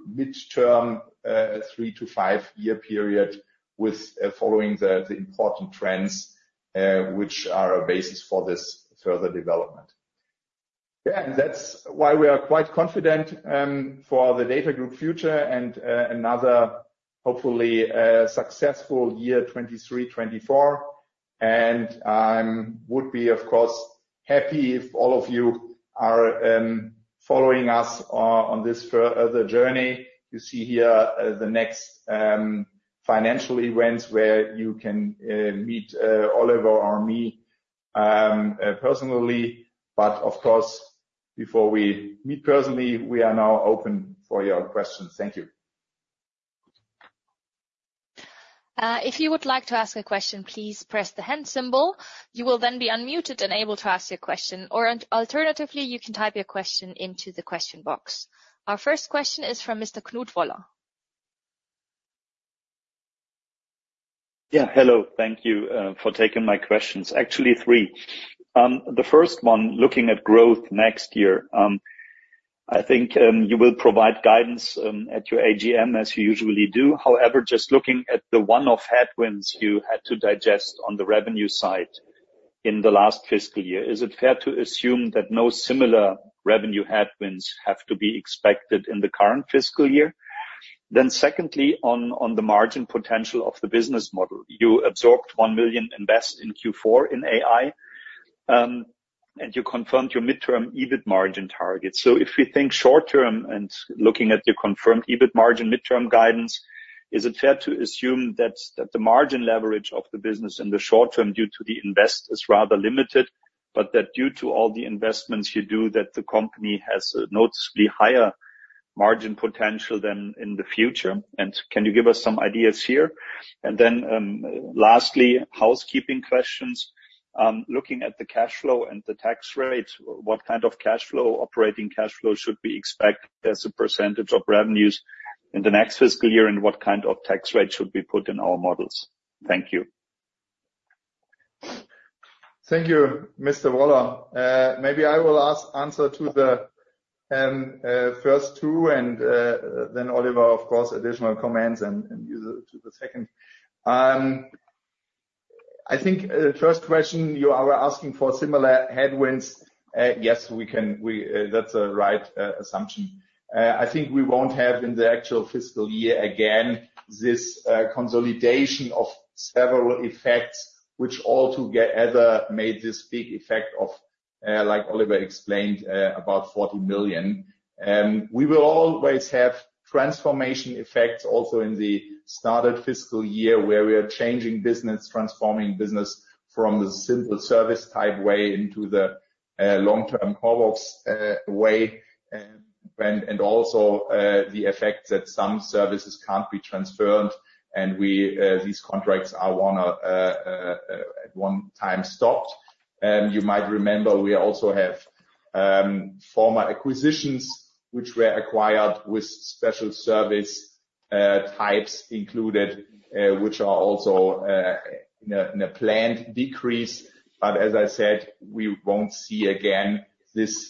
mid-term 3-5-year period, with following the important trends, which are a basis for this further development. Yeah, and that's why we are quite confident for the DATAGROUP future and another hopefully successful year, 2023, 2024. I would be, of course, happy if all of you are following us on this journey. You see here the next financial events where you can meet Oliver or me personally. But of course, before we meet personally, we are now open for your questions. Thank you. If you would like to ask a question, please press the hand symbol. You will then be unmuted and able to ask your question, or alternatively, you can type your question into the question box. Our first question is from Mr. Knut Woller. Yeah. Hello. Thank you for taking my questions. Actually, three. The first one, looking at growth next year, I think you will provide guidance at your AGM, as you usually do. However, just looking at the one-off headwinds you had to digest on the revenue side in the last fiscal year, is it fair to assume that no similar revenue headwinds have to be expected in the current fiscal year? Then secondly, on the margin potential of the business model, you absorbed 1 million invest in Q4 in AI, and you confirmed your midterm EBIT margin target. So if we think short term and looking at your confirmed EBIT margin midterm guidance, is it fair to assume that, that the margin leverage of the business in the short term due to the investments is rather limited, but that due to all the investments you do, that the company has a noticeably higher margin potential than in the future? And can you give us some ideas here? And then, lastly, housekeeping questions. Looking at the cash flow and the tax rate, what kind of cash flow, operating cash flow, should we expect as a percentage of revenues in the next fiscal year, and what kind of tax rate should we put in our models? Thank you. Thank you, Mr. Woller. Maybe I will answer the first two, and then Oliver, of course, additional comments and you to the second. I think the first question you are asking for similar headwinds, yes, we can—we, that's a right assumption. I think we won't have in the actual fiscal year, again, this consolidation of several effects, which all together made this big effect of, like Oliver explained, about 40 million. We will always have transformation effects also in the started fiscal year, where we are changing business, transforming business from the simple service type way into the long-term CORBOX way, and also the effect that some services can't be transferred, and we these contracts are wanna at one time stopped. You might remember we also have former acquisitions, which were acquired with special service types included, which are also in a planned decrease. But as I said, we won't see again this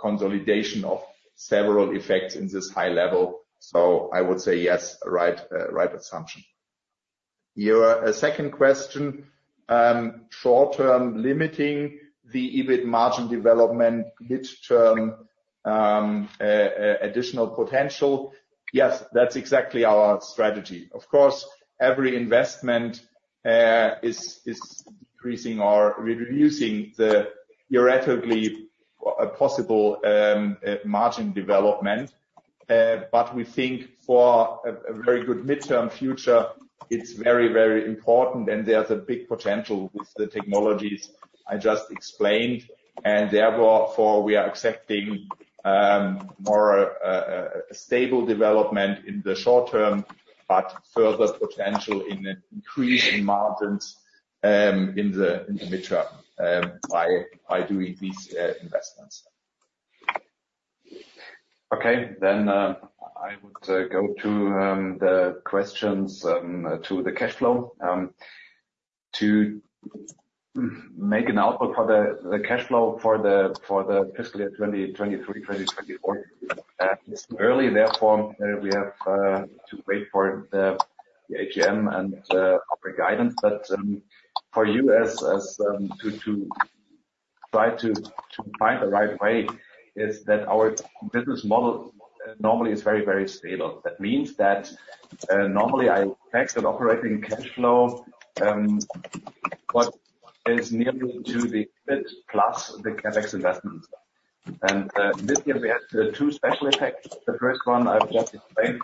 consolidation of several effects in this high level. So I would say yes, right, right assumption. Your second question short term, limiting the EBIT margin development, mid-term additional potential. Yes, that's exactly our strategy. Of course, every investment is increasing or reducing the theoretically possible margin development. But we think for a very good midterm future, it's very, very important, and there's a big potential with the technologies I just explained. And therefore, we are accepting more of a stable development in the short term, but further potential in an increase in margins in the mid-term by doing these investments. Okay, then I would go to the questions to the cash flow. To make an output for the cash flow for the fiscal year 2023, 2024. It's early, therefore, we have to wait for the AGM and the upper guidance. But for you to try to find the right way, is that our business model normally is very, very stable. That means that normally the operating cash flow is nearly to the EBIT plus the CapEx investments. And this year, we had two special effects. The first one I've just explained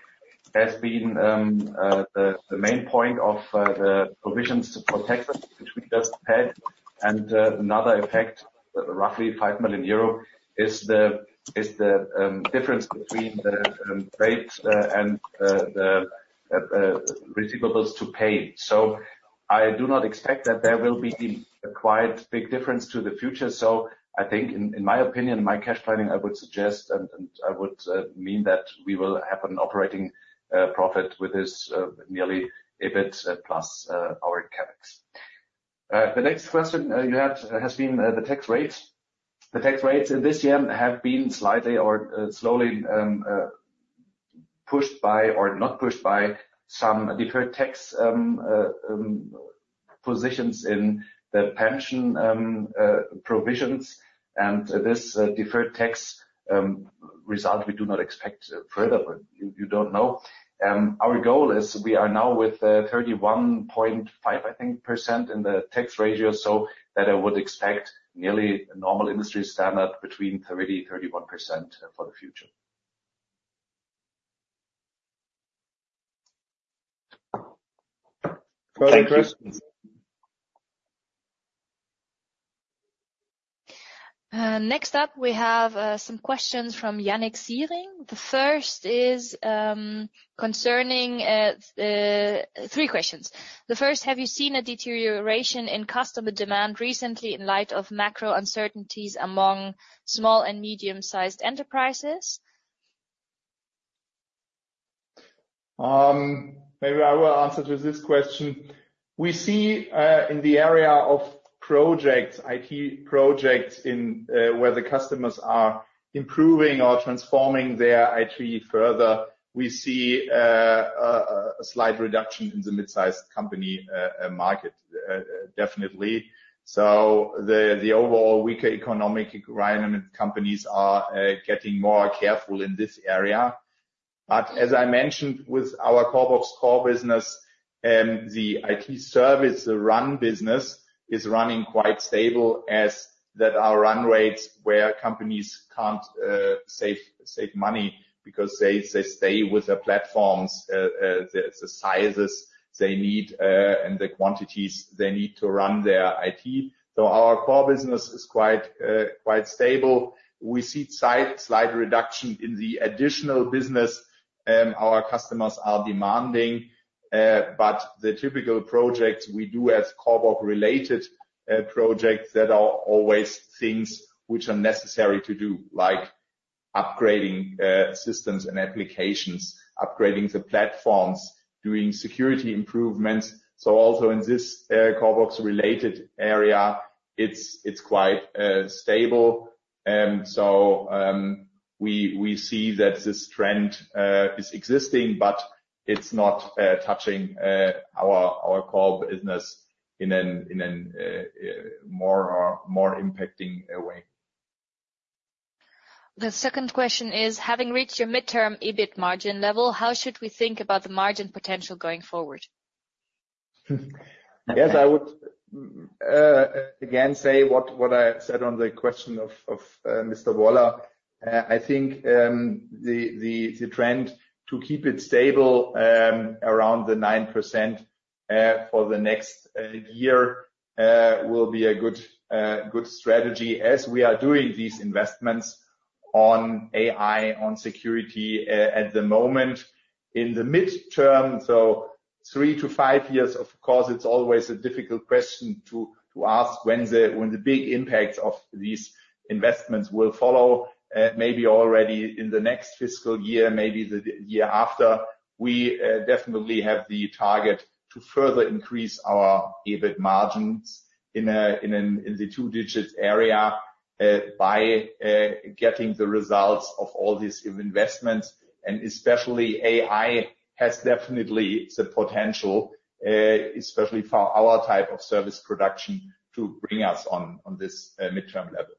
has been the main point of the provisions to protect us, which we just had. And another effect, roughly 5 million euro, is the difference between the rates and the receivables to pay. So I do not expect that there will be a quite big difference to the future. So I think in my opinion, my cash planning, I would suggest, and I would mean that we will have an operating profit with this nearly EBIT plus our CapEx. The next question you had has been the tax rates. The tax rates in this year have been slightly or slowly pushed by or not pushed by some deferred tax positions in the pension provisions, and this deferred tax result, we do not expect further, but you, you don't know. Our goal is we are now with 31.5%, I think, in the tax ratio, so that I would expect nearly a normal industry standard between 30%-31% for the future. Thank you. Next up, we have some questions from Yannick Siering. Three questions. The first: have you seen a deterioration in customer demand recently in light of macro uncertainties among small and medium-sized enterprises? Maybe I will answer with this question. We see in the area of projects, IT projects, in where the customers are improving or transforming their IT further, we see a slight reduction in the mid-sized company market, definitely. So the overall weaker economic environment, companies are getting more careful in this area. But as I mentioned, with our CORBOX core business, the IT service, the run business, is running quite stable as that our run rates, where companies can't save money because they stay with the platforms, the sizes they need and the quantities they need to run their IT. So our core business is quite stable. We see slight, slight reduction in the additional business, our customers are demanding, but the typical projects we do as CORBOX-related projects that are always things which are necessary to do, like upgrading systems and applications, upgrading the platforms, doing security improvements. So also in this CORBOX-related area, it's, it's quite stable. So we, we see that this trend is existing, but it's not touching our, our core business in an, in an more, more impacting way. The second question is: Having reached your midterm EBIT margin level, how should we think about the margin potential going forward? Yes, I would again say what I said on the question of Mr. Woller. I think the trend to keep it stable around the 9% for the next year will be a good strategy as we are doing these investments on AI, on security at the moment. In the midterm, so 3-5 years, of course, it's always a difficult question to ask when the big impacts of these investments will follow. Maybe already in the next fiscal year, maybe the year after. We definitely have the target to further increase our EBIT margins in the two digits area by getting the results of all these investments. Especially AI has definitely the potential, especially for our type of service production, to bring us on, on this mid-term level.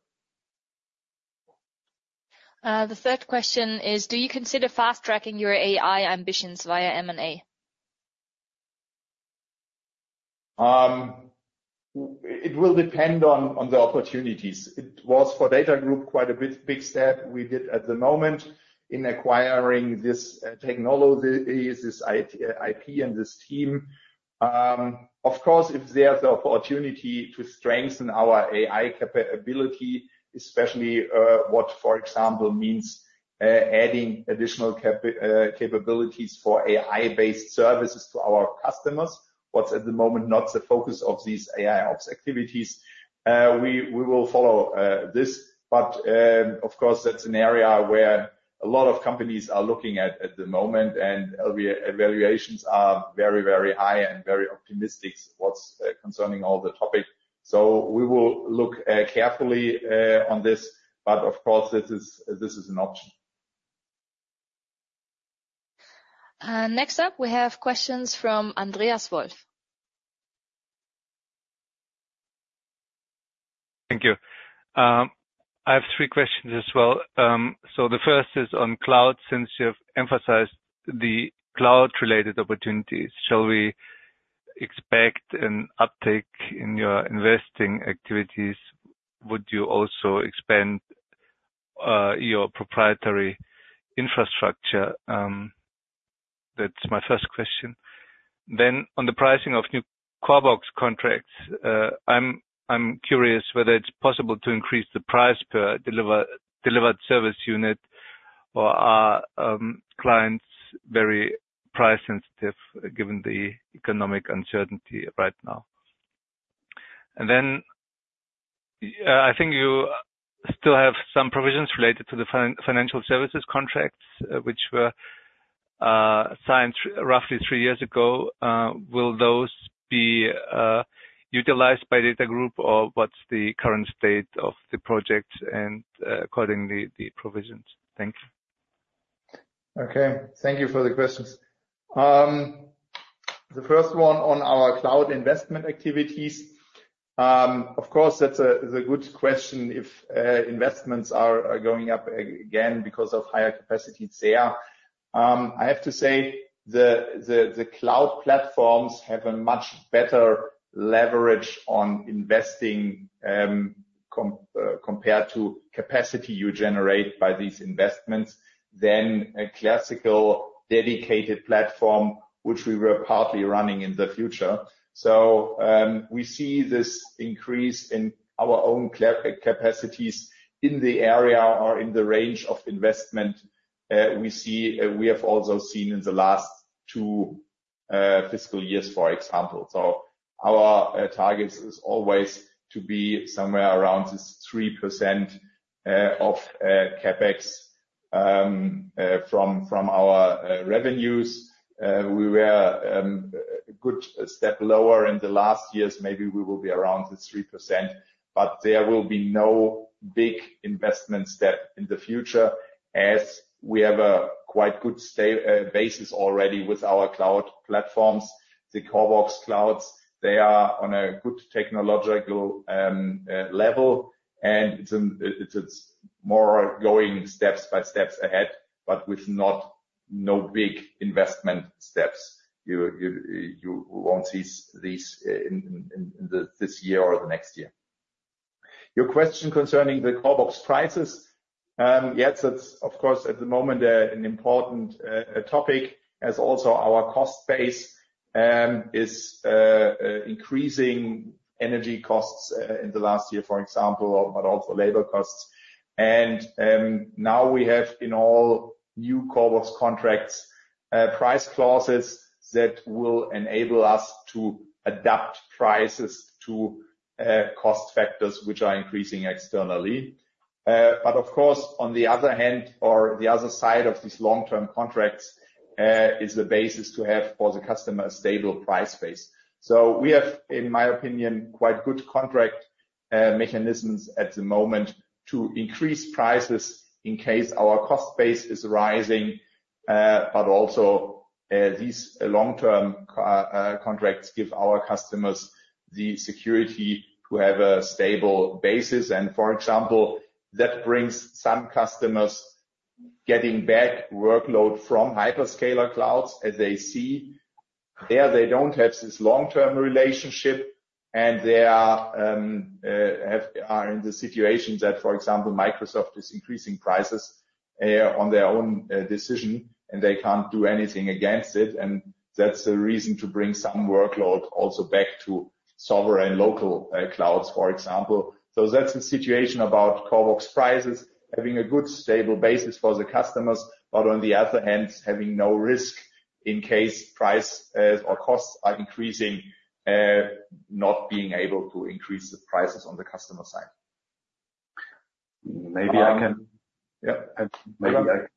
The third question is: Do you consider fast-tracking your AI ambitions via M&A? It will depend on the opportunities. It was for DATAGROUP, quite a bit big step we did at the moment in acquiring this technologies, this IT, IP, and this team. Of course, if there's the opportunity to strengthen our AI capability, especially, what, for example, means adding additional capabilities for AI-based services to our customers. What's at the moment, not the focus of these AI ops activities. We will follow this, but of course, that's an area where a lot of companies are looking at the moment, and evaluations are very, very high and very optimistic what's concerning all the topic. So we will look carefully on this, but of course, this is an option. Next up, we have questions from Andreas Wolf. Thank you. I have three questions as well. So the first is on cloud. Since you've emphasized the cloud-related opportunities, shall we expect an uptake in your investing activities? Would you also expand your proprietary infrastructure? That's my first question. Then on the pricing of new CORBOX contracts, I'm curious whether it's possible to increase the price per delivered service unit, or are clients very price sensitive given the economic uncertainty right now? And then, I think you still have some provisions related to the financial services contracts, which were signed roughly three years ago. Will those be utilized by DATA GROUP or what's the current state of the project and accordingly, the provisions? Thank you. Okay, thank you for the questions. The first one on our cloud investment activities. Of course, that's a good question if investments are going up again because of higher capacity there. I have to say, the cloud platforms have a much better leverage on investing compared to capacity you generate by these investments than a classical dedicated platform, which we were partly running in the future. So, we see this increase in our own capacities in the area or in the range of investment. We have also seen in the last two fiscal years, for example. So our targets is always to be somewhere around this 3% of CapEx from our revenues. We were a good step lower in the last years. Maybe we will be around the 3%, but there will be no big investment step in the future as we have a quite good stable basis already with our cloud platforms. The CORBOX clouds, they are on a good technological level, and it's more going step by step ahead, but with no big investment steps. You won't see these in this year or the next year. Your question concerning the CORBOX prices, yes, that's of course, at the moment, an important topic, as our cost base also is increasing, energy costs in the last year, for example, but also labor costs. And now we have in all new CORBOX contracts price clauses that will enable us to adapt prices to cost factors, which are increasing externally. But of course, on the other hand, or the other side of these long-term contracts, is the basis to have for the customer a stable price base. So we have, in my opinion, quite good contract mechanisms at the moment to increase prices in case our cost base is rising. But also, these long-term contracts give our customers the security to have a stable basis. And, for example, that brings some customers getting back workload from hyperscaler clouds, as they see. There, they don't have this long-term relationship, and they are in the situation that, for example, Microsoft is increasing prices on their own decision, and they can't do anything against it, and that's a reason to bring some workload also back to sovereign local clouds, for example. So that's the situation about CORBOX prices, having a good, stable basis for the customers, but on the other hand, having no risk in case price or costs are increasing, not being able to increase the prices on the customer side. Maybe I can- Yeah. Maybe I,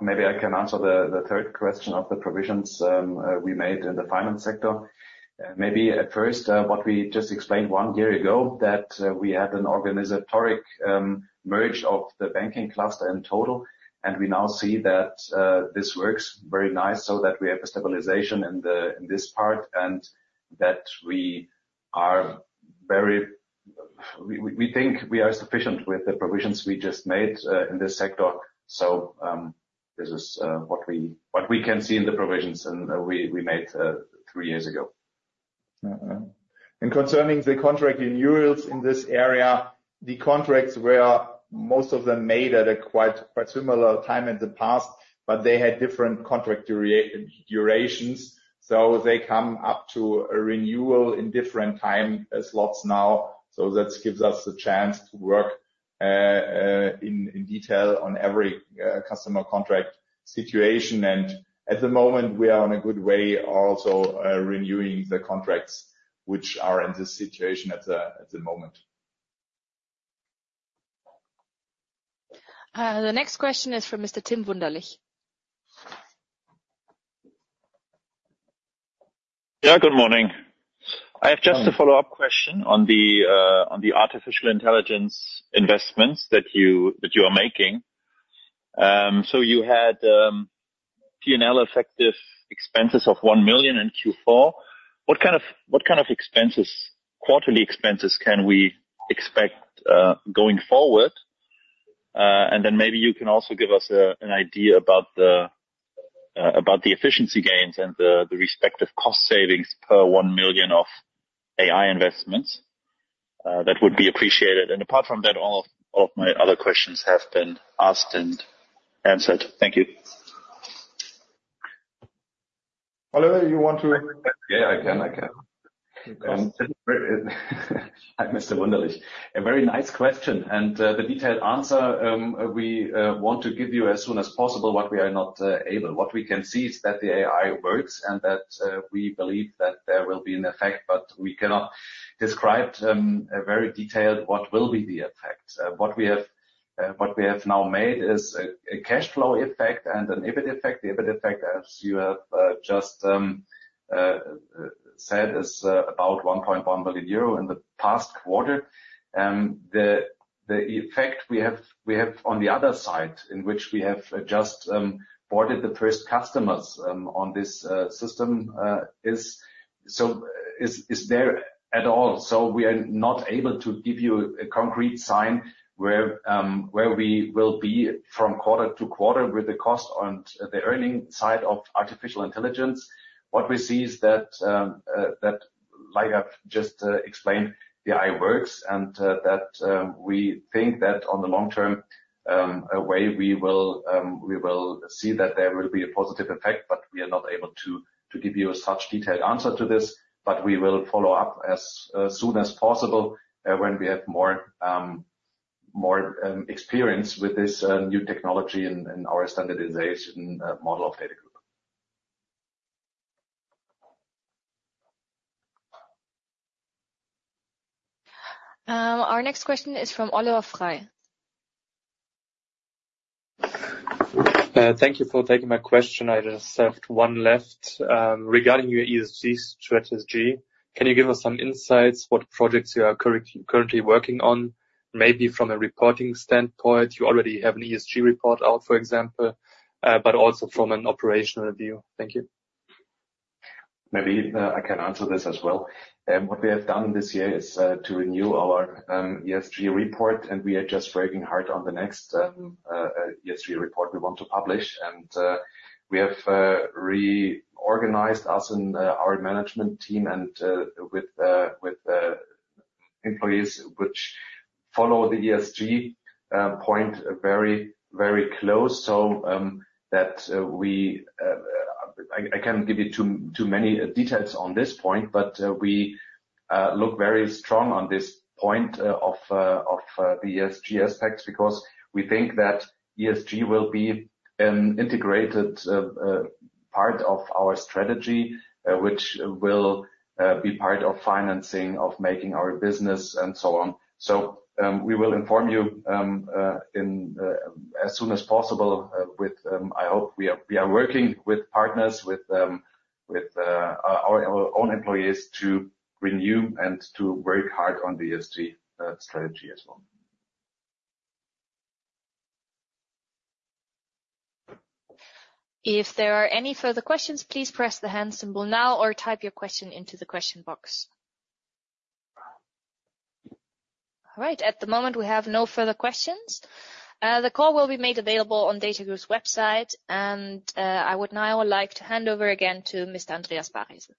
maybe I can answer the third question of the provisions we made in the finance sector. Maybe at first, what we just explained one year ago, that we had an organizational merger of the banking cluster in total, and we now see that this works very nice, so that we have a stabilization in this part, and that we are very... We think we are sufficient with the provisions we just made in this sector. This is what we can see in the provisions we made three years ago. Concerning the contract renewals in this area, the contracts were, most of them, made at a quite similar time in the past, but they had different contract durations, so they come up to a renewal in different time slots now. That gives us a chance to work in detail on every customer contract situation. At the moment, we are on a good way, also renewing the contracts, which are in this situation at the moment. The next question is from Mr. Tim Wunderlich. Yeah, good morning. I have just a follow-up question on the, on the artificial intelligence investments that you, that you are making. So you had, P&L effective expenses of 1 million in Q4. What kind of, what kind of expenses, quarterly expenses can we expect, going forward? And then maybe you can also give us, an idea about the, about the efficiency gains and the, the respective cost savings per 1 million of AI investments. That would be appreciated. And apart from that, all of, all of my other questions have been asked and answered. Thank you. Oliver, you want to? Yeah, I can. I can. Hi, Mr. Wunderlich. A very nice question, and, the detailed answer, we want to give you as soon as possible, but we are not able. What we can see is that the AI works, and that we believe that there will be an effect, but we cannot describe very detailed what will be the effect. What we have, what we have now made is a cash flow effect and an EBIT effect. The EBIT effect, as you have just said, is about 1.1 billion euro in the past quarter. The effect we have, we have on the other side, in which we have just boarded the first customers on this system is so, is, is there at all. So we are not able to give you a concrete sign where we will be from quarter to quarter with the cost on the earning side of artificial intelligence. What we see is that like I've just explained, the AI works, and that we think that on the long term, anyway, we will see that there will be a positive effect, but we are not able to give you such a detailed answer to this. But we will follow up as soon as possible when we have more experience with this new technology and our standardization model of DATAGROUP. Our next question is from Oliver Frei. Thank you for taking my question. I just have one left. Regarding your ESG strategy, can you give us some insights, what projects you are currently working on? Maybe from a reporting standpoint, you already have an ESG report out, for example, but also from an operational view. Thank you. Maybe, I can answer this as well. What we have done this year is to renew our ESG report, and we are just working hard on the next ESG report we want to publish. And we have reorganized us in our management team and with employees, which follow the ESG point very, very close. So, that we... I can't give you too many details on this point, but we look very strong on this point of the ESG aspects, because we think that ESG will be an integrated part of our strategy, which will be part of financing, of making our business and so on. We will inform you as soon as possible. I hope we are working with partners, with our own employees to renew and to work hard on the ESG strategy as well. If there are any further questions, please press the hand symbol now or type your question into the question box. All right, at the moment, we have no further questions. The call will be made available on DATAGROUP's website, and, I would now like to hand over again to Mr. Andreas Baresel.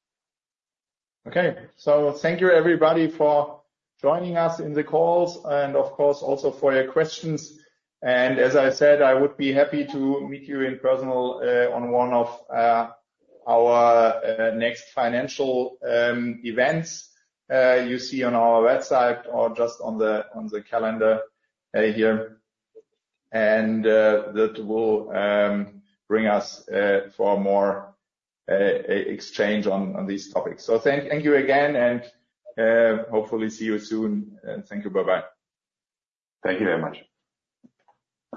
Okay. So thank you, everybody, for joining us on the call and of course, also for your questions. And as I said, I would be happy to meet you in person on one of our next financial events you see on our website or just on the calendar here. And that will bring us more exchange on these topics. So thank you again, and hopefully see you soon, and thank you. Bye-bye. Thank you very much.